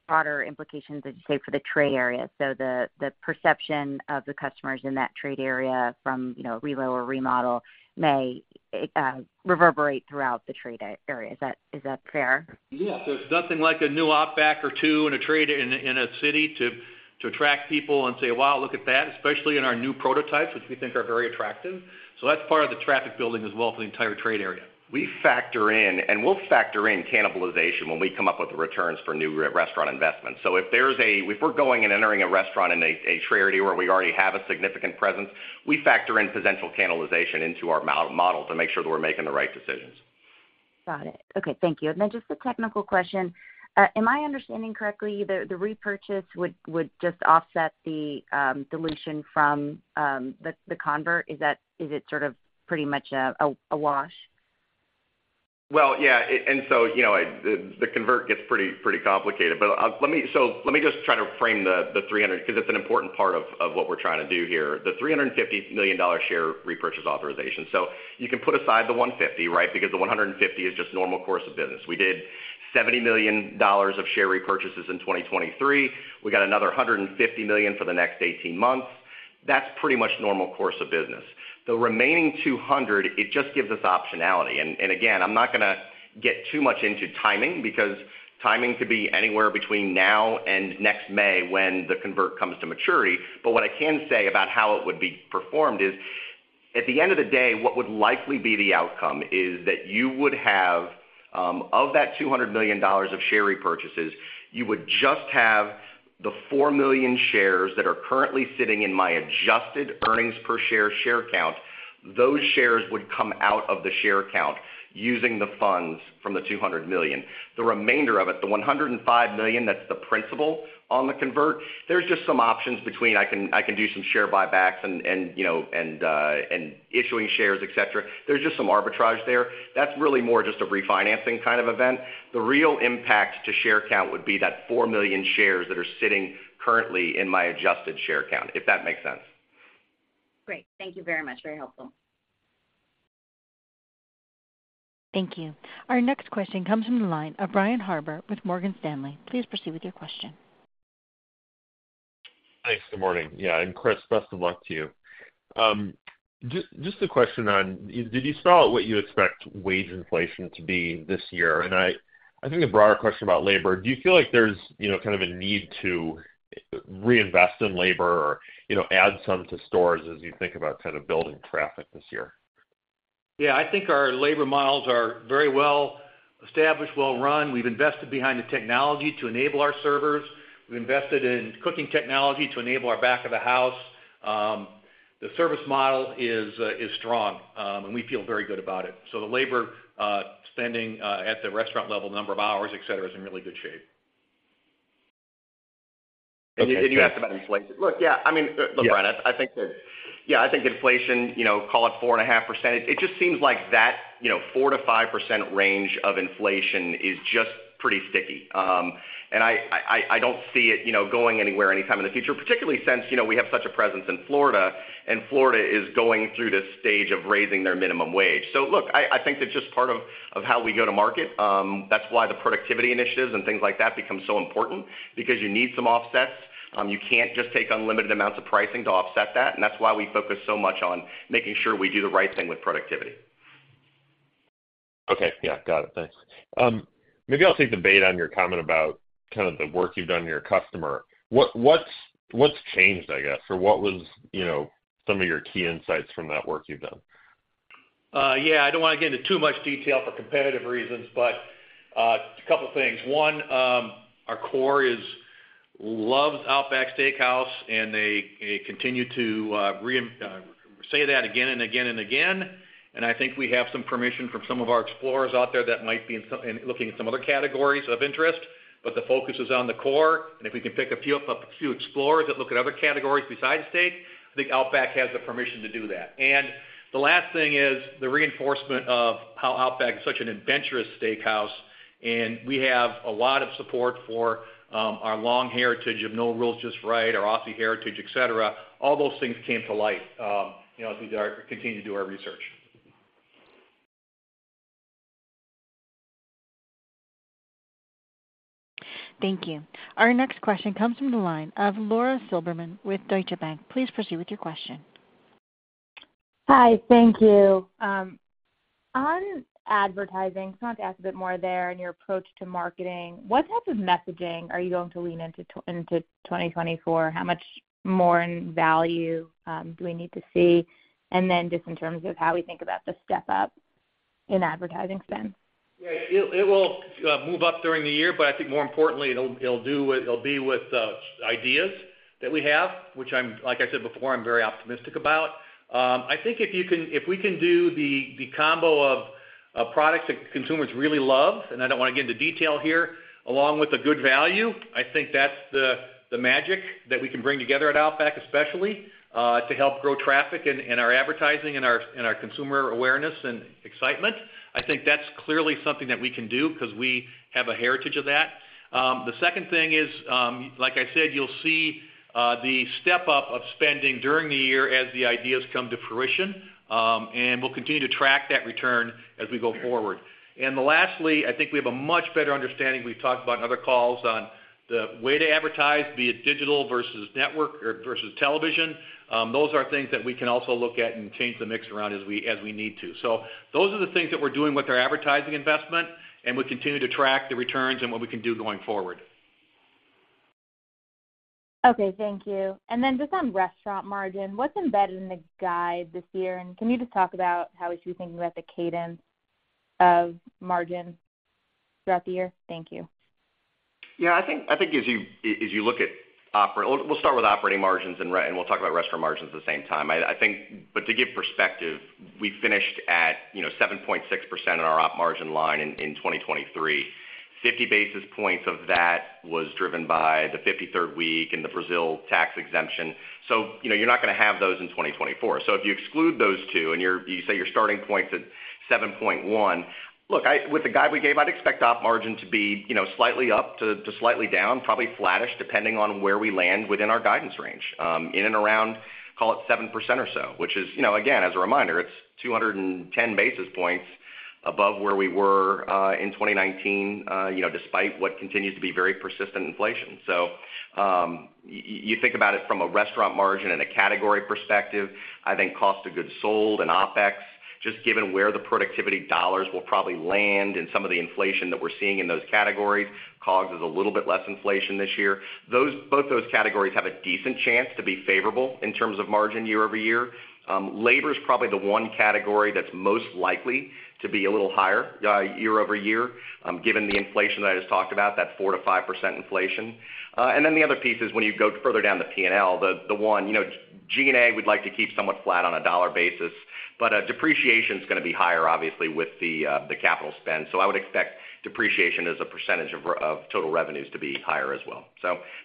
broader implications, as you say, for the trade area. So the perception of the customers in that trade area from reload or remodel may reverberate throughout the trade area. Is that fair? Yeah. There's nothing like a new Outback or two in a city to attract people and say, "Wow, look at that," especially in our new prototypes, which we think are very attractive. So that's part of the traffic building as well for the entire trade area. We factor in and we'll factor in cannibalization when we come up with the returns for new restaurant investments. If we're going and entering a restaurant in a trade area where we already have a significant presence, we factor in potential cannibalization into our model to make sure that we're making the right decisions. Got it. Okay. Thank you. And then just a technical question. Am I understanding correctly that the repurchase would just offset the dilution from the convert? Is it sort of pretty much a wash? Well, yeah. And so the convert gets pretty complicated. So let me just try to frame the $300 million because it's an important part of what we're trying to do here, the $350 million share repurchase authorization. So you can put aside the $150 million, right, because the $150 million is just normal course of business. We did $70 million of share repurchases in 2023. We got another $150 million for the next 18 months. That's pretty much normal course of business. The remaining $200 million, it just gives us optionality. And again, I'm not going to get too much into timing because timing could be anywhere between now and next May when the convert comes to maturity. But what I can say about how it would be performed is, at the end of the day, what would likely be the outcome is that you would have of that $200 million of share repurchases, you would just have the 4 million shares that are currently sitting in my adjusted earnings per share share count. Those shares would come out of the share count using the funds from the $200 million. The remainder of it, the $105 million, that's the principal on the convert. There's just some options between. I can do some share buybacks and issuing shares, etc. There's just some arbitrage there. That's really more just a refinancing kind of event. The real impact to share count would be that 4 million shares that are sitting currently in my adjusted share count, if that makes sense. Great. Thank you very much. Very helpful. Thank you. Our next question comes from the line of Brian Harbour with Morgan Stanley. Please proceed with your question. Thanks. Good morning. Yeah. And Chris, best of luck to you. Just a question on did you spell out what you expect wage inflation to be this year? And I think a broader question about labor. Do you feel like there's kind of a need to reinvest in labor or add some to stores as you think about kind of building traffic this year? Yeah. I think our labor model is very well established, well run. We've invested behind the technology to enable our servers. We've invested in cooking technology to enable our back of the house. The service model is strong, and we feel very good about it. So the labor spending at the restaurant level, number of hours, etc., is in really good shape. And you asked about inflation. Look, yeah. I mean, look, Brian, I think that yeah, I think inflation, call it 4.5%. It just seems like that 4%-5% range of inflation is just pretty sticky. And I don't see it going anywhere anytime in the future, particularly since we have such a presence in Florida, and Florida is going through this stage of raising their minimum wage. So look, I think that's just part of how we go to market. That's why the productivity initiatives and things like that become so important because you need some offsets. You can't just take unlimited amounts of pricing to offset that. And that's why we focus so much on making sure we do the right thing with productivity. Okay. Yeah. Got it. Thanks. Maybe I'll take the bait on your comment about kind of the work you've done in your customer. What's changed, I guess, or what was some of your key insights from that work you've done? Yeah. I don't want to get into too much detail for competitive reasons, but a couple of things. One, our core loves Outback Steakhouse, and they continue to say that again and again and again. And I think we have some permission from some of our explorers out there that might be looking at some other categories of interest, but the focus is on the core. And if we can pick a few explorers that look at other categories besides steak, I think Outback has the permission to do that. And the last thing is the reinforcement of how Outback is such an adventurous steakhouse. And we have a lot of support for our long heritage of No Rules, Just Right, our Aussie heritage, etc. All those things came to light as we continue to do our research. Thank you. Our next question comes from the line of Lauren Silberman with Deutsche Bank. Please proceed with your question. Hi. Thank you. On advertising, I just wanted to ask a bit more there in your approach to marketing. What type of messaging are you going to lean into 2024? How much more value do we need to see? And then just in terms of how we think about the step-up in advertising spend. Yeah. It will move up during the year, but I think more importantly, it'll be with ideas that we have, which, like I said before, I'm very optimistic about. I think if we can do the combo of products that consumers really love - and I don't want to get into detail here - along with a good value, I think that's the magic that we can bring together at Outback, especially to help grow traffic in our advertising and our consumer awareness and excitement. I think that's clearly something that we can do because we have a heritage of that. The second thing is, like I said, you'll see the step-up of spending during the year as the ideas come to fruition. And we'll continue to track that return as we go forward. And lastly, I think we have a much better understanding. We've talked about in other calls on the way to advertise, be it digital versus network versus television. Those are things that we can also look at and change the mix around as we need to. So those are the things that we're doing with our advertising investment, and we continue to track the returns and what we can do going forward. Okay. Thank you. And then just on restaurant margin, what's embedded in the guide this year? And can you just talk about how we should be thinking about the cadence of margin throughout the year? Thank you. Yeah. I think as you look at we'll start with operating margins, and we'll talk about restaurant margins at the same time. But to give perspective, we finished at 7.6% in our op margin line in 2023. 50 basis points of that was driven by the 53rd week and the Brazil tax exemption. So you're not going to have those in 2024. So if you exclude those two, and you say your starting point's at 7.1, look, with the guide we gave, I'd expect op margin to be slightly up to slightly down, probably flattish, depending on where we land within our guidance range, in and around, call it 7% or so, which is, again, as a reminder, it's 210 basis points above where we were in 2019 despite what continues to be very persistent inflation. So you think about it from a restaurant margin and a category perspective. I think cost of goods sold and OpEx, just given where the productivity dollars will probably land and some of the inflation that we're seeing in those categories, causes a little bit less inflation this year. Both those categories have a decent chance to be favorable in terms of margin year-over-year. Labor is probably the one category that's most likely to be a little higher year-over-year given the inflation that I just talked about, that 4%-5% inflation. And then the other piece is when you go further down the P&L, the one, G&A, we'd like to keep somewhat flat on a dollar basis. But depreciation is going to be higher, obviously, with the capital spend. So I would expect depreciation as a percentage of total revenues to be higher as well.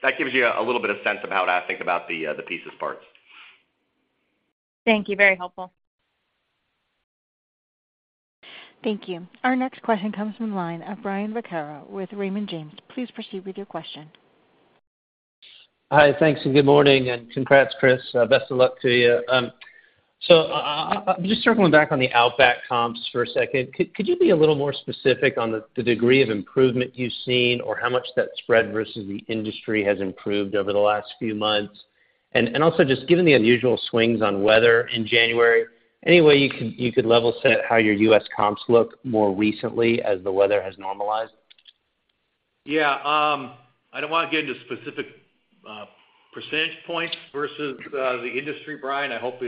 That gives you a little bit of sense of how I think about the piece parts. Thank you. Very helpful. Thank you. Our next question comes from the line of Brian Vaccaro with Raymond James. Please proceed with your question. Hi. Thanks. Good morning. And congrats, Chris. Best of luck to you. So I'm just circling back on the Outback comps for a second. Could you be a little more specific on the degree of improvement you've seen or how much that spread versus the industry has improved over the last few months? And also, just given the unusual swings on weather in January, any way you could level set how your U.S. comps look more recently as the weather has normalized? Yeah. I don't want to get into specific percentage points versus the industry, Brian. I hope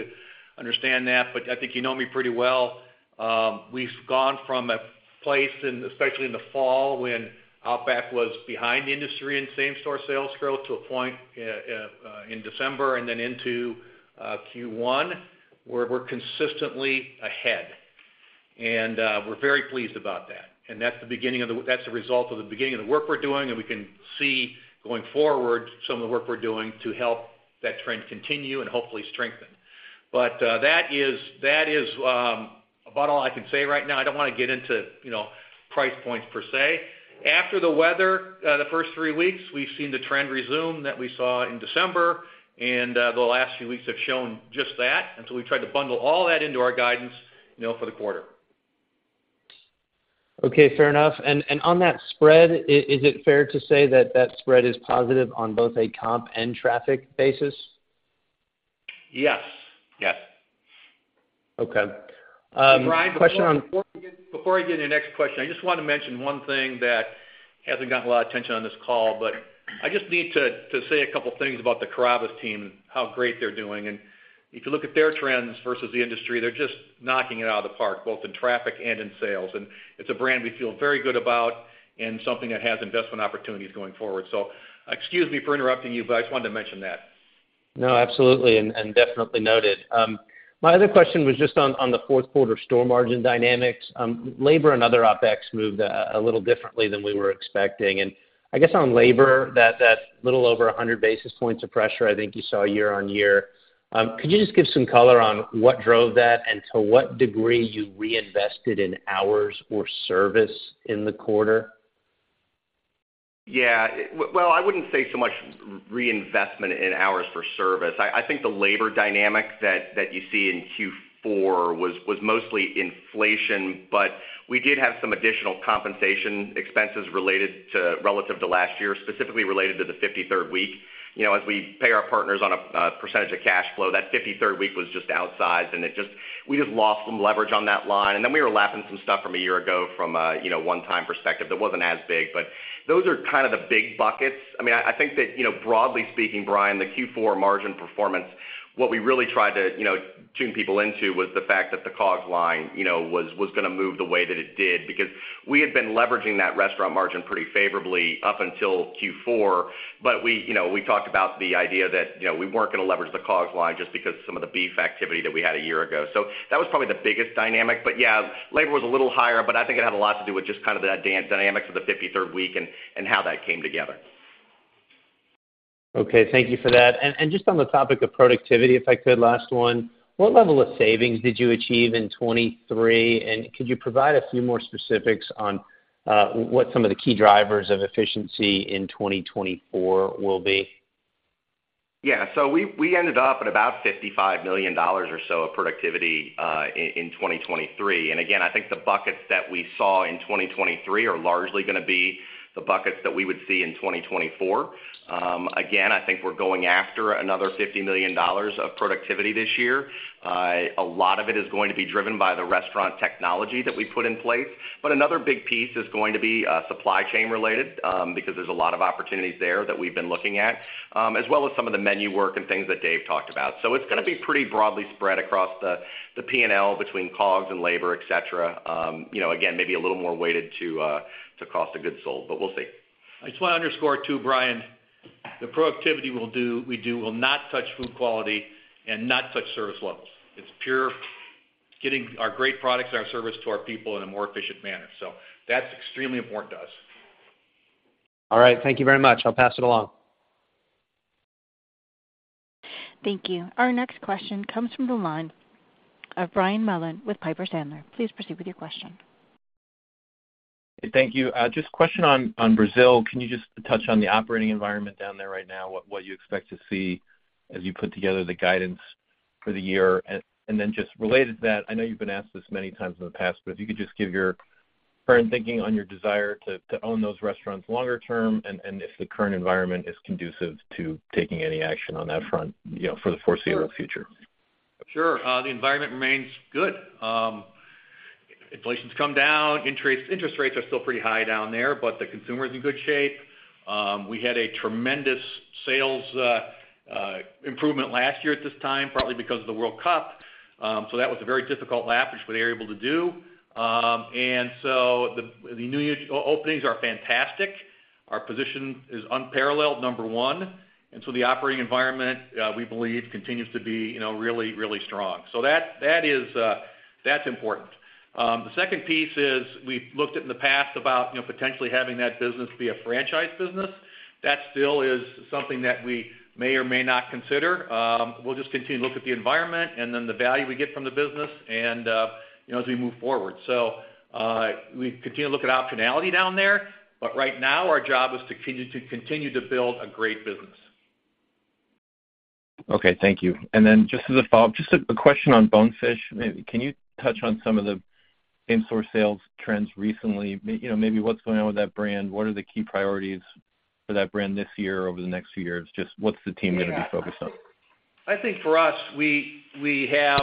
you understand that. But I think you know me pretty well. We've gone from a place, especially in the fall when Outback was behind the industry in same-store sales growth to a point in December and then into Q1 where we're consistently ahead. And we're very pleased about that. And that's the result of the beginning of the work we're doing. And we can see going forward some of the work we're doing to help that trend continue and hopefully strengthen. But that is about all I can say right now. I don't want to get into price points per se. After the weather, the first three weeks, we've seen the trend resume that we saw in December. And the last few weeks have shown just that. And so we've tried to bundle all that into our guidance for the quarter. Okay. Fair enough. And on that spread, is it fair to say that that spread is positive on both a comp and traffic basis? Yes. Yes. Okay. The question on. Before I get into your next question, I just want to mention one thing that hasn't gotten a lot of attention on this call, but I just need to say a couple of things about the Carrabba's team and how great they're doing. If you look at their trends versus the industry, they're just knocking it out of the park, both in traffic and in sales. It's a brand we feel very good about and something that has investment opportunities going forward. Excuse me for interrupting you, but I just wanted to mention that. No. Absolutely. Definitely noted. My other question was just on the fourth-quarter store margin dynamics. Labor and other OpEx moved a little differently than we were expecting. I guess on labor, that little over 100 basis points of pressure, I think you saw year-on-year. Could you just give some color on what drove that and to what degree you reinvested in hours or service in the quarter? Yeah. Well, I wouldn't say so much reinvestment in hours for service. I think the labor dynamic that you see in Q4 was mostly inflation, but we did have some additional compensation expenses related to relative to last year, specifically related to the 53rd week. As we pay our partners on a percentage of cash flow, that 53rd week was just outsized, and we just lost some leverage on that line. And then we were lapping some stuff from a year ago from a one-time perspective. That wasn't as big. But those are kind of the big buckets. I mean, I think that broadly speaking, Brian, the Q4 margin performance, what we really tried to tune people into was the fact that the COGS line was going to move the way that it did because we had been leveraging that restaurant margin pretty favorably up until Q4. But we talked about the idea that we weren't going to leverage the COGS line just because of some of the beef activity that we had a year ago. So that was probably the biggest dynamic. But yeah, labor was a little higher, but I think it had a lot to do with just kind of that dynamics of the 53rd week and how that came together. Okay. Thank you for that. And just on the topic of productivity, if I could, last one, what level of savings did you achieve in 2023? And could you provide a few more specifics on what some of the key drivers of efficiency in 2024 will be? Yeah. So we ended up at about $55 million or so of productivity in 2023. Again, I think the buckets that we saw in 2023 are largely going to be the buckets that we would see in 2024. Again, I think we're going after another $50 million of productivity this year. A lot of it is going to be driven by the restaurant technology that we put in place. But another big piece is going to be supply chain related because there's a lot of opportunities there that we've been looking at, as well as some of the menu work and things that Dave talked about. So it's going to be pretty broadly spread across the P&L between COGS and labor, etc., again, maybe a little more weighted to cost of goods sold. But we'll see. I just want to underscore too, Brian, the productivity we do will not touch food quality and not touch service levels. It's pure getting our great products and our service to our people in a more efficient manner. That's extremely important to us. All right. Thank you very much. I'll pass it along. Thank you. Our next question comes from the line of Brian Mullan with Piper Sandler. Please proceed with your question. Thank you. Just a question on Brazil. Can you just touch on the operating environment down there right now, what you expect to see as you put together the guidance for the year? And then just related to that, I know you've been asked this many times in the past, but if you could just give your current thinking on your desire to own those restaurants longer term and if the current environment is conducive to taking any action on that front for the foreseeable future. Sure. The environment remains good. Inflation's come down. Interest rates are still pretty high down there, but the consumer's in good shape. We had a tremendous sales improvement last year at this time, partly because of the World Cup. So that was a very difficult lap which we were able to do. And so the new openings are fantastic. Our position is unparalleled, number one. And so the operating environment, we believe, continues to be really, really strong. So that's important. The second piece is we've looked at in the past about potentially having that business be a franchise business. That still is something that we may or may not consider. We'll just continue to look at the environment and then the value we get from the business as we move forward. So we continue to look at optionality down there. But right now, our job is to continue to build a great business. Okay. Thank you. And then just as a follow-up, just a question on Bonefish. Can you touch on some of the same-store sales trends recently? Maybe what's going on with that brand? What are the key priorities for that brand this year or over the next few years? Just what's the team going to be focused on? I think for us, we have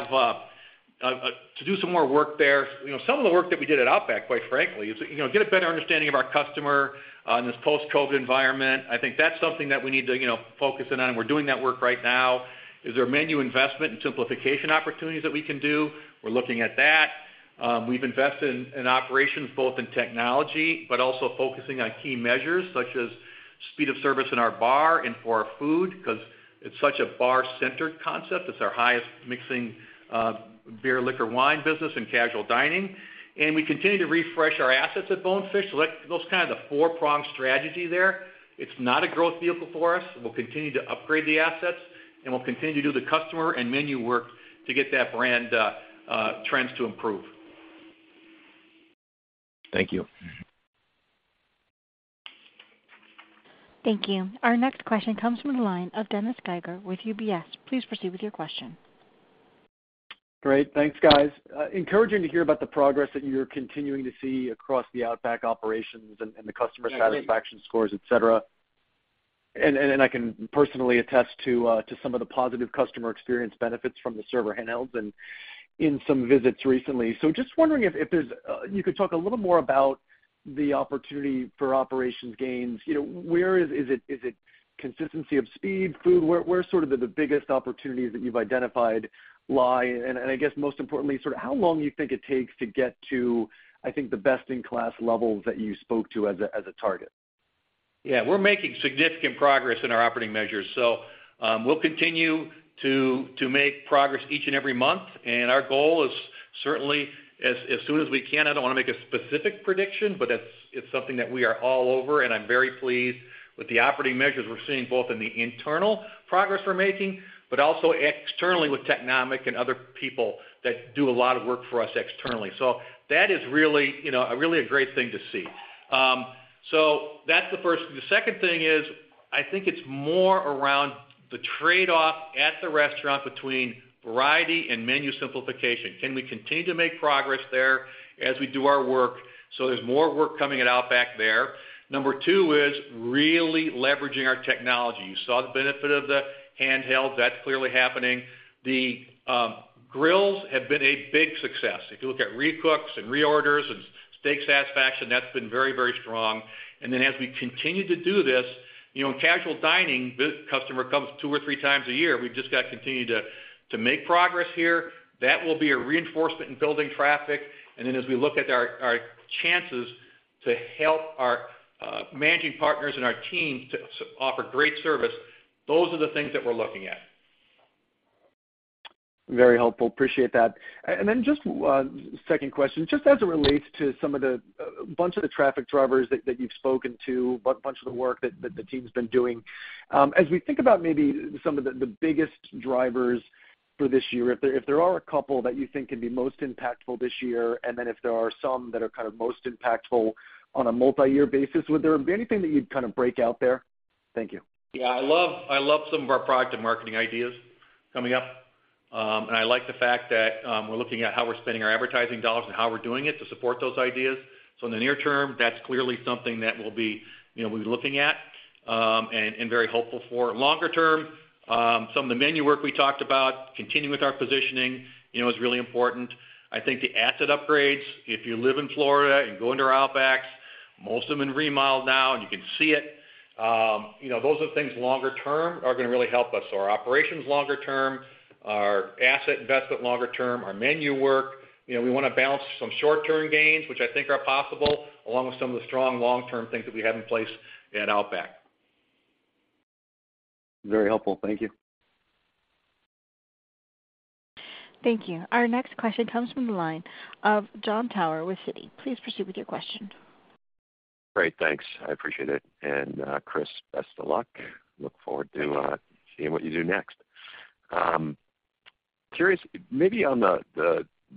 to do some more work there. Some of the work that we did at Outback, quite frankly, is get a better understanding of our customer in this post-COVID environment. I think that's something that we need to focus in on. We're doing that work right now. Is there menu investment and simplification opportunities that we can do? We're looking at that. We've invested in operations, both in technology but also focusing on key measures such as speed of service in our bar and for our food because it's such a bar-centered concept. It's our highest mixing beer, liquor, wine business, and casual dining. We continue to refresh our assets at Bonefish. So that's kind of the four-pronged strategy there. It's not a growth vehicle for us. We'll continue to upgrade the assets, and we'll continue to do the customer and menu work to get that brand trends to improve. Thank you. Thank you. Our next question comes from the line of Dennis Geiger with UBS. Please proceed with your question. Great. Thanks, guys. Encouraging to hear about the progress that you're continuing to see across the Outback operations and the customer satisfaction scores, etc. And I can personally attest to some of the positive customer experience benefits from the server handhelds and in some visits recently. So just wondering if you could talk a little more about the opportunity for operations gains. Is it consistency of speed, food? Where sort of the biggest opportunities that you've identified lie? And I guess, most importantly, sort of how long you think it takes to get to, I think, the best-in-class levels that you spoke to as a target? Yeah. We're making significant progress in our operating measures. So we'll continue to make progress each and every month. And our goal is certainly, as soon as we can I don't want to make a specific prediction, but it's something that we are all over. And I'm very pleased with the operating measures we're seeing, both in the internal progress we're making but also externally with Technomic and other people that do a lot of work for us externally. So that is really a great thing to see. So that's the first. The second thing is I think it's more around the trade-off at the restaurant between variety and menu simplification. Can we continue to make progress there as we do our work? So there's more work coming at Outback there. Number two is really leveraging our technology. You saw the benefit of the handhelds. That's clearly happening. The grills have been a big success. If you look at recooks and reorders and steak satisfaction, that's been very, very strong. And then as we continue to do this, in casual dining, the customer comes two or three times a year. We've just got to continue to make progress here. That will be a reinforcement in building traffic. And then as we look at our chances to help our managing partners and our team to offer great service, those are the things that we're looking at. Very helpful. Appreciate that. And then just second question, just as it relates to a bunch of the traffic drivers that you've spoken to, a bunch of the work that the team's been doing, as we think about maybe some of the biggest drivers for this year, if there are a couple that you think can be most impactful this year and then if there are some that are kind of most impactful on a multi-year basis, would there be anything that you'd kind of break out there? Thank you. Yeah. I love some of our product and marketing ideas coming up. I like the fact that we're looking at how we're spending our advertising dollars and how we're doing it to support those ideas. In the near term, that's clearly something that we'll be looking at and very hopeful for. Longer term, some of the menu work we talked about, continuing with our positioning, is really important. I think the asset upgrades, if you live in Florida and go into our Outbacks, most of them remodeled now, and you can see it, those are things longer term are going to really help us. Our operations longer term, our asset investment longer term, our menu work, we want to balance some short-term gains, which I think are possible, along with some of the strong long-term things that we have in place at Outback. Very helpful. Thank you. Thank you. Our next question comes from the line of Jon Tower with Citi. Please proceed with your question. Great. Thanks. I appreciate it. And Chris, best of luck. Look forward to seeing what you do next. Curious, maybe on the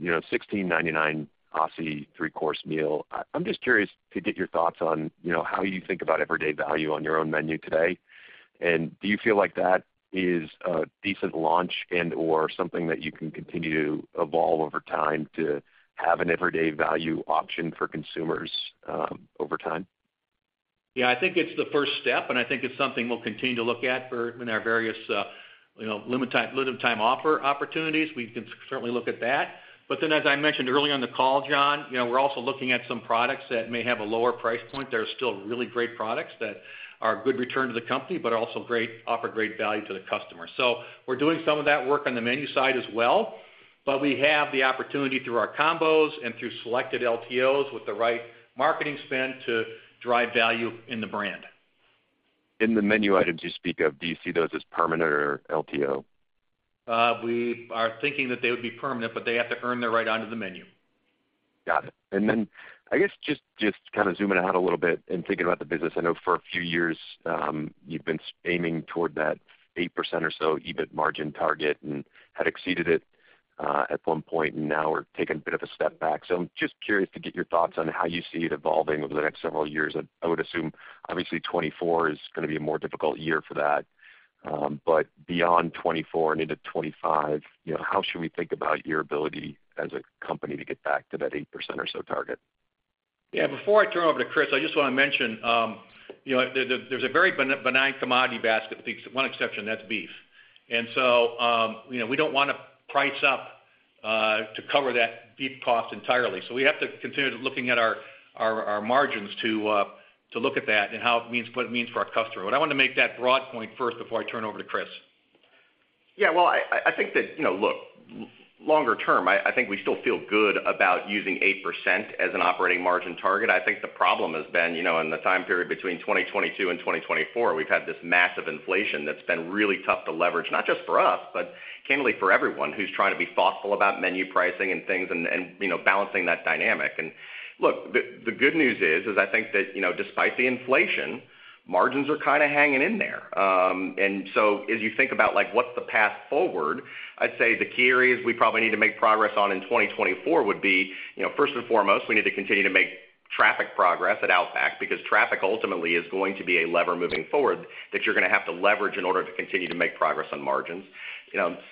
$1,699 Aussie 3-Course meal, I'm just curious to get your thoughts on how you think about everyday value on your own menu today. And do you feel like that is a decent launch and/or something that you can continue to evolve over time to have an everyday value option for consumers over time? Yeah. I think it's the first step. And I think it's something we'll continue to look at in our various limited-time offer opportunities. We can certainly look at that. But then, as I mentioned earlier on the call, John, we're also looking at some products that may have a lower price point. There are still really great products that are a good return to the company but also offer great value to the customer. So we're doing some of that work on the menu side as well. But we have the opportunity through our combos and through selected LTOs with the right marketing spend to drive value in the brand. In the menu items you speak of, do you see those as permanent or LTO? We are thinking that they would be permanent, but they have to earn their right onto the menu. Got it. Then I guess just kind of zooming out a little bit and thinking about the business, I know for a few years, you've been aiming toward that 8% or so EBIT margin target and had exceeded it at one point. And now we're taking a bit of a step back. So I'm just curious to get your thoughts on how you see it evolving over the next several years. I would assume, obviously, 2024 is going to be a more difficult year for that. But beyond 2024 and into 2025, how should we think about your ability as a company to get back to that 8% or so target? Yeah. Before I turn over to Chris, I just want to mention there's a very benign commodity basket with one exception. That's beef. And so we don't want to price up to cover that beef cost entirely. So we have to continue looking at our margins to look at that and what it means for our customer. But I want to make that broad point first before I turn over to Chris. Yeah. Well, I think that, look, longer term, I think we still feel good about using 8% as an operating margin target. I think the problem has been in the time period between 2022 and 2024, we've had this massive inflation that's been really tough to leverage, not just for us but candidly, for everyone who's trying to be thoughtful about menu pricing and things and balancing that dynamic. And look, the good news is I think that despite the inflation, margins are kind of hanging in there. And so as you think about what's the path forward, I'd say the key areas we probably need to make progress on in 2024 would be, first and foremost, we need to continue to make traffic progress at Outback because traffic ultimately is going to be a lever moving forward that you're going to have to leverage in order to continue to make progress on margins.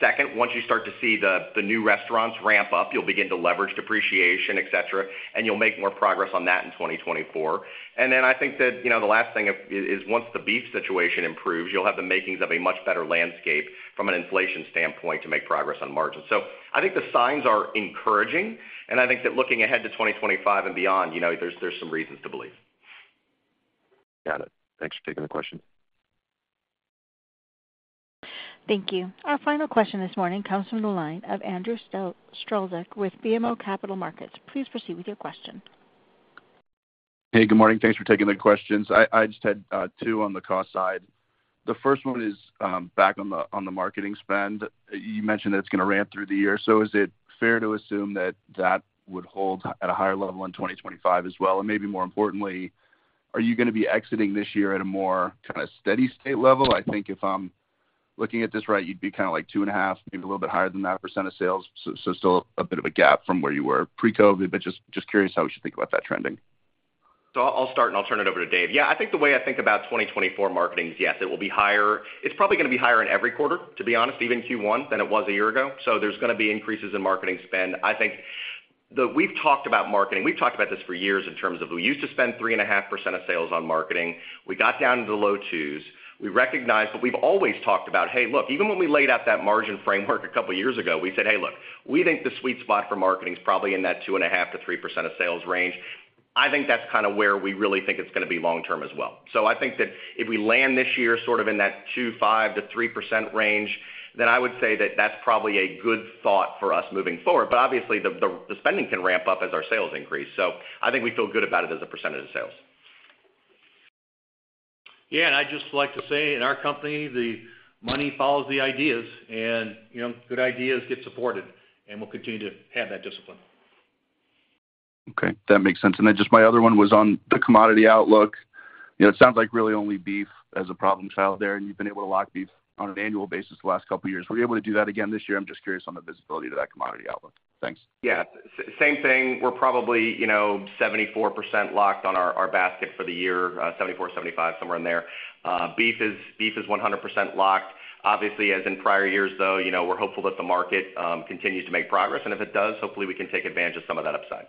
Second, once you start to see the new restaurants ramp up, you'll begin to leverage depreciation, etc., and you'll make more progress on that in 2024. And then I think that the last thing is once the beef situation improves, you'll have the makings of a much better landscape from an inflation standpoint to make progress on margins. So I think the signs are encouraging. And I think that looking ahead to 2025 and beyond, there's some reasons to believe. Got it. Thanks for taking the question. Thank you. Our final question this morning comes from the line of Andrew Strelzik with BMO Capital Markets. Please proceed with your question. Hey. Good morning. Thanks for taking the questions. I just had two on the cost side. The first one is back on the marketing spend. You mentioned that it's going to ramp through the year. So is it fair to assume that that would hold at a higher level in 2025 as well? And maybe more importantly, are you going to be exiting this year at a more kind of steady-state level? I think if I'm looking at this right, you'd be kind of like 2.5%, maybe a little bit higher than that, of sales. So still a bit of a gap from where you were pre-COVID. But just curious how we should think about that trending. So I'll start, and I'll turn it over to Dave. Yeah. I think the way I think about 2024 marketing is, yes, it will be higher. It's probably going to be higher in every quarter, to be honest, even Q1 than it was a year ago. So there's going to be increases in marketing spend. I think we've talked about marketing. We've talked about this for years in terms of we used to spend 3.5% of sales on marketing. We got down to the low 2s. We recognized but we've always talked about, "Hey, look, even when we laid out that margin framework a couple of years ago, we said, 'Hey, look, we think the sweet spot for marketing is probably in that 2.5%-3% of sales range.'" I think that's kind of where we really think it's going to be long-term as well. So I think that if we land this year sort of in that 2.5%-3% range, then I would say that that's probably a good thought for us moving forward. But obviously, the spending can ramp up as our sales increase. So I think we feel good about it as a percentage of sales. Yeah. I'd just like to say, in our company, the money follows the ideas. Good ideas get supported. We'll continue to have that discipline. Okay. That makes sense. And then just my other one was on the commodity outlook. It sounds like really only beef as a problem child there. And you've been able to lock beef on an annual basis the last couple of years. Were you able to do that again this year? I'm just curious on the visibility to that commodity outlook. Thanks. Yeah. Same thing. We're probably 74% locked on our basket for the year, 74-75, somewhere in there. Beef is 100% locked. Obviously, as in prior years, though, we're hopeful that the market continues to make progress. And if it does, hopefully, we can take advantage of some of that upside.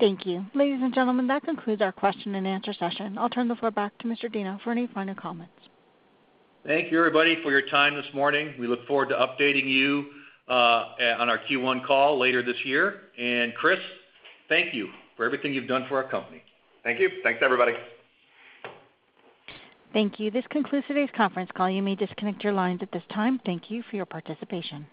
Thank you. Ladies and gentlemen, that concludes our question-and-answer session. I'll turn the floor back to Mr. Deno for any final comments. Thank you, everybody, for your time this morning. We look forward to updating you on our Q1 call later this year. Chris, thank you for everything you've done for our company. Thank you. Thanks, everybody. Thank you. This concludes today's conference call. You may disconnect your lines at this time. Thank you for your participation.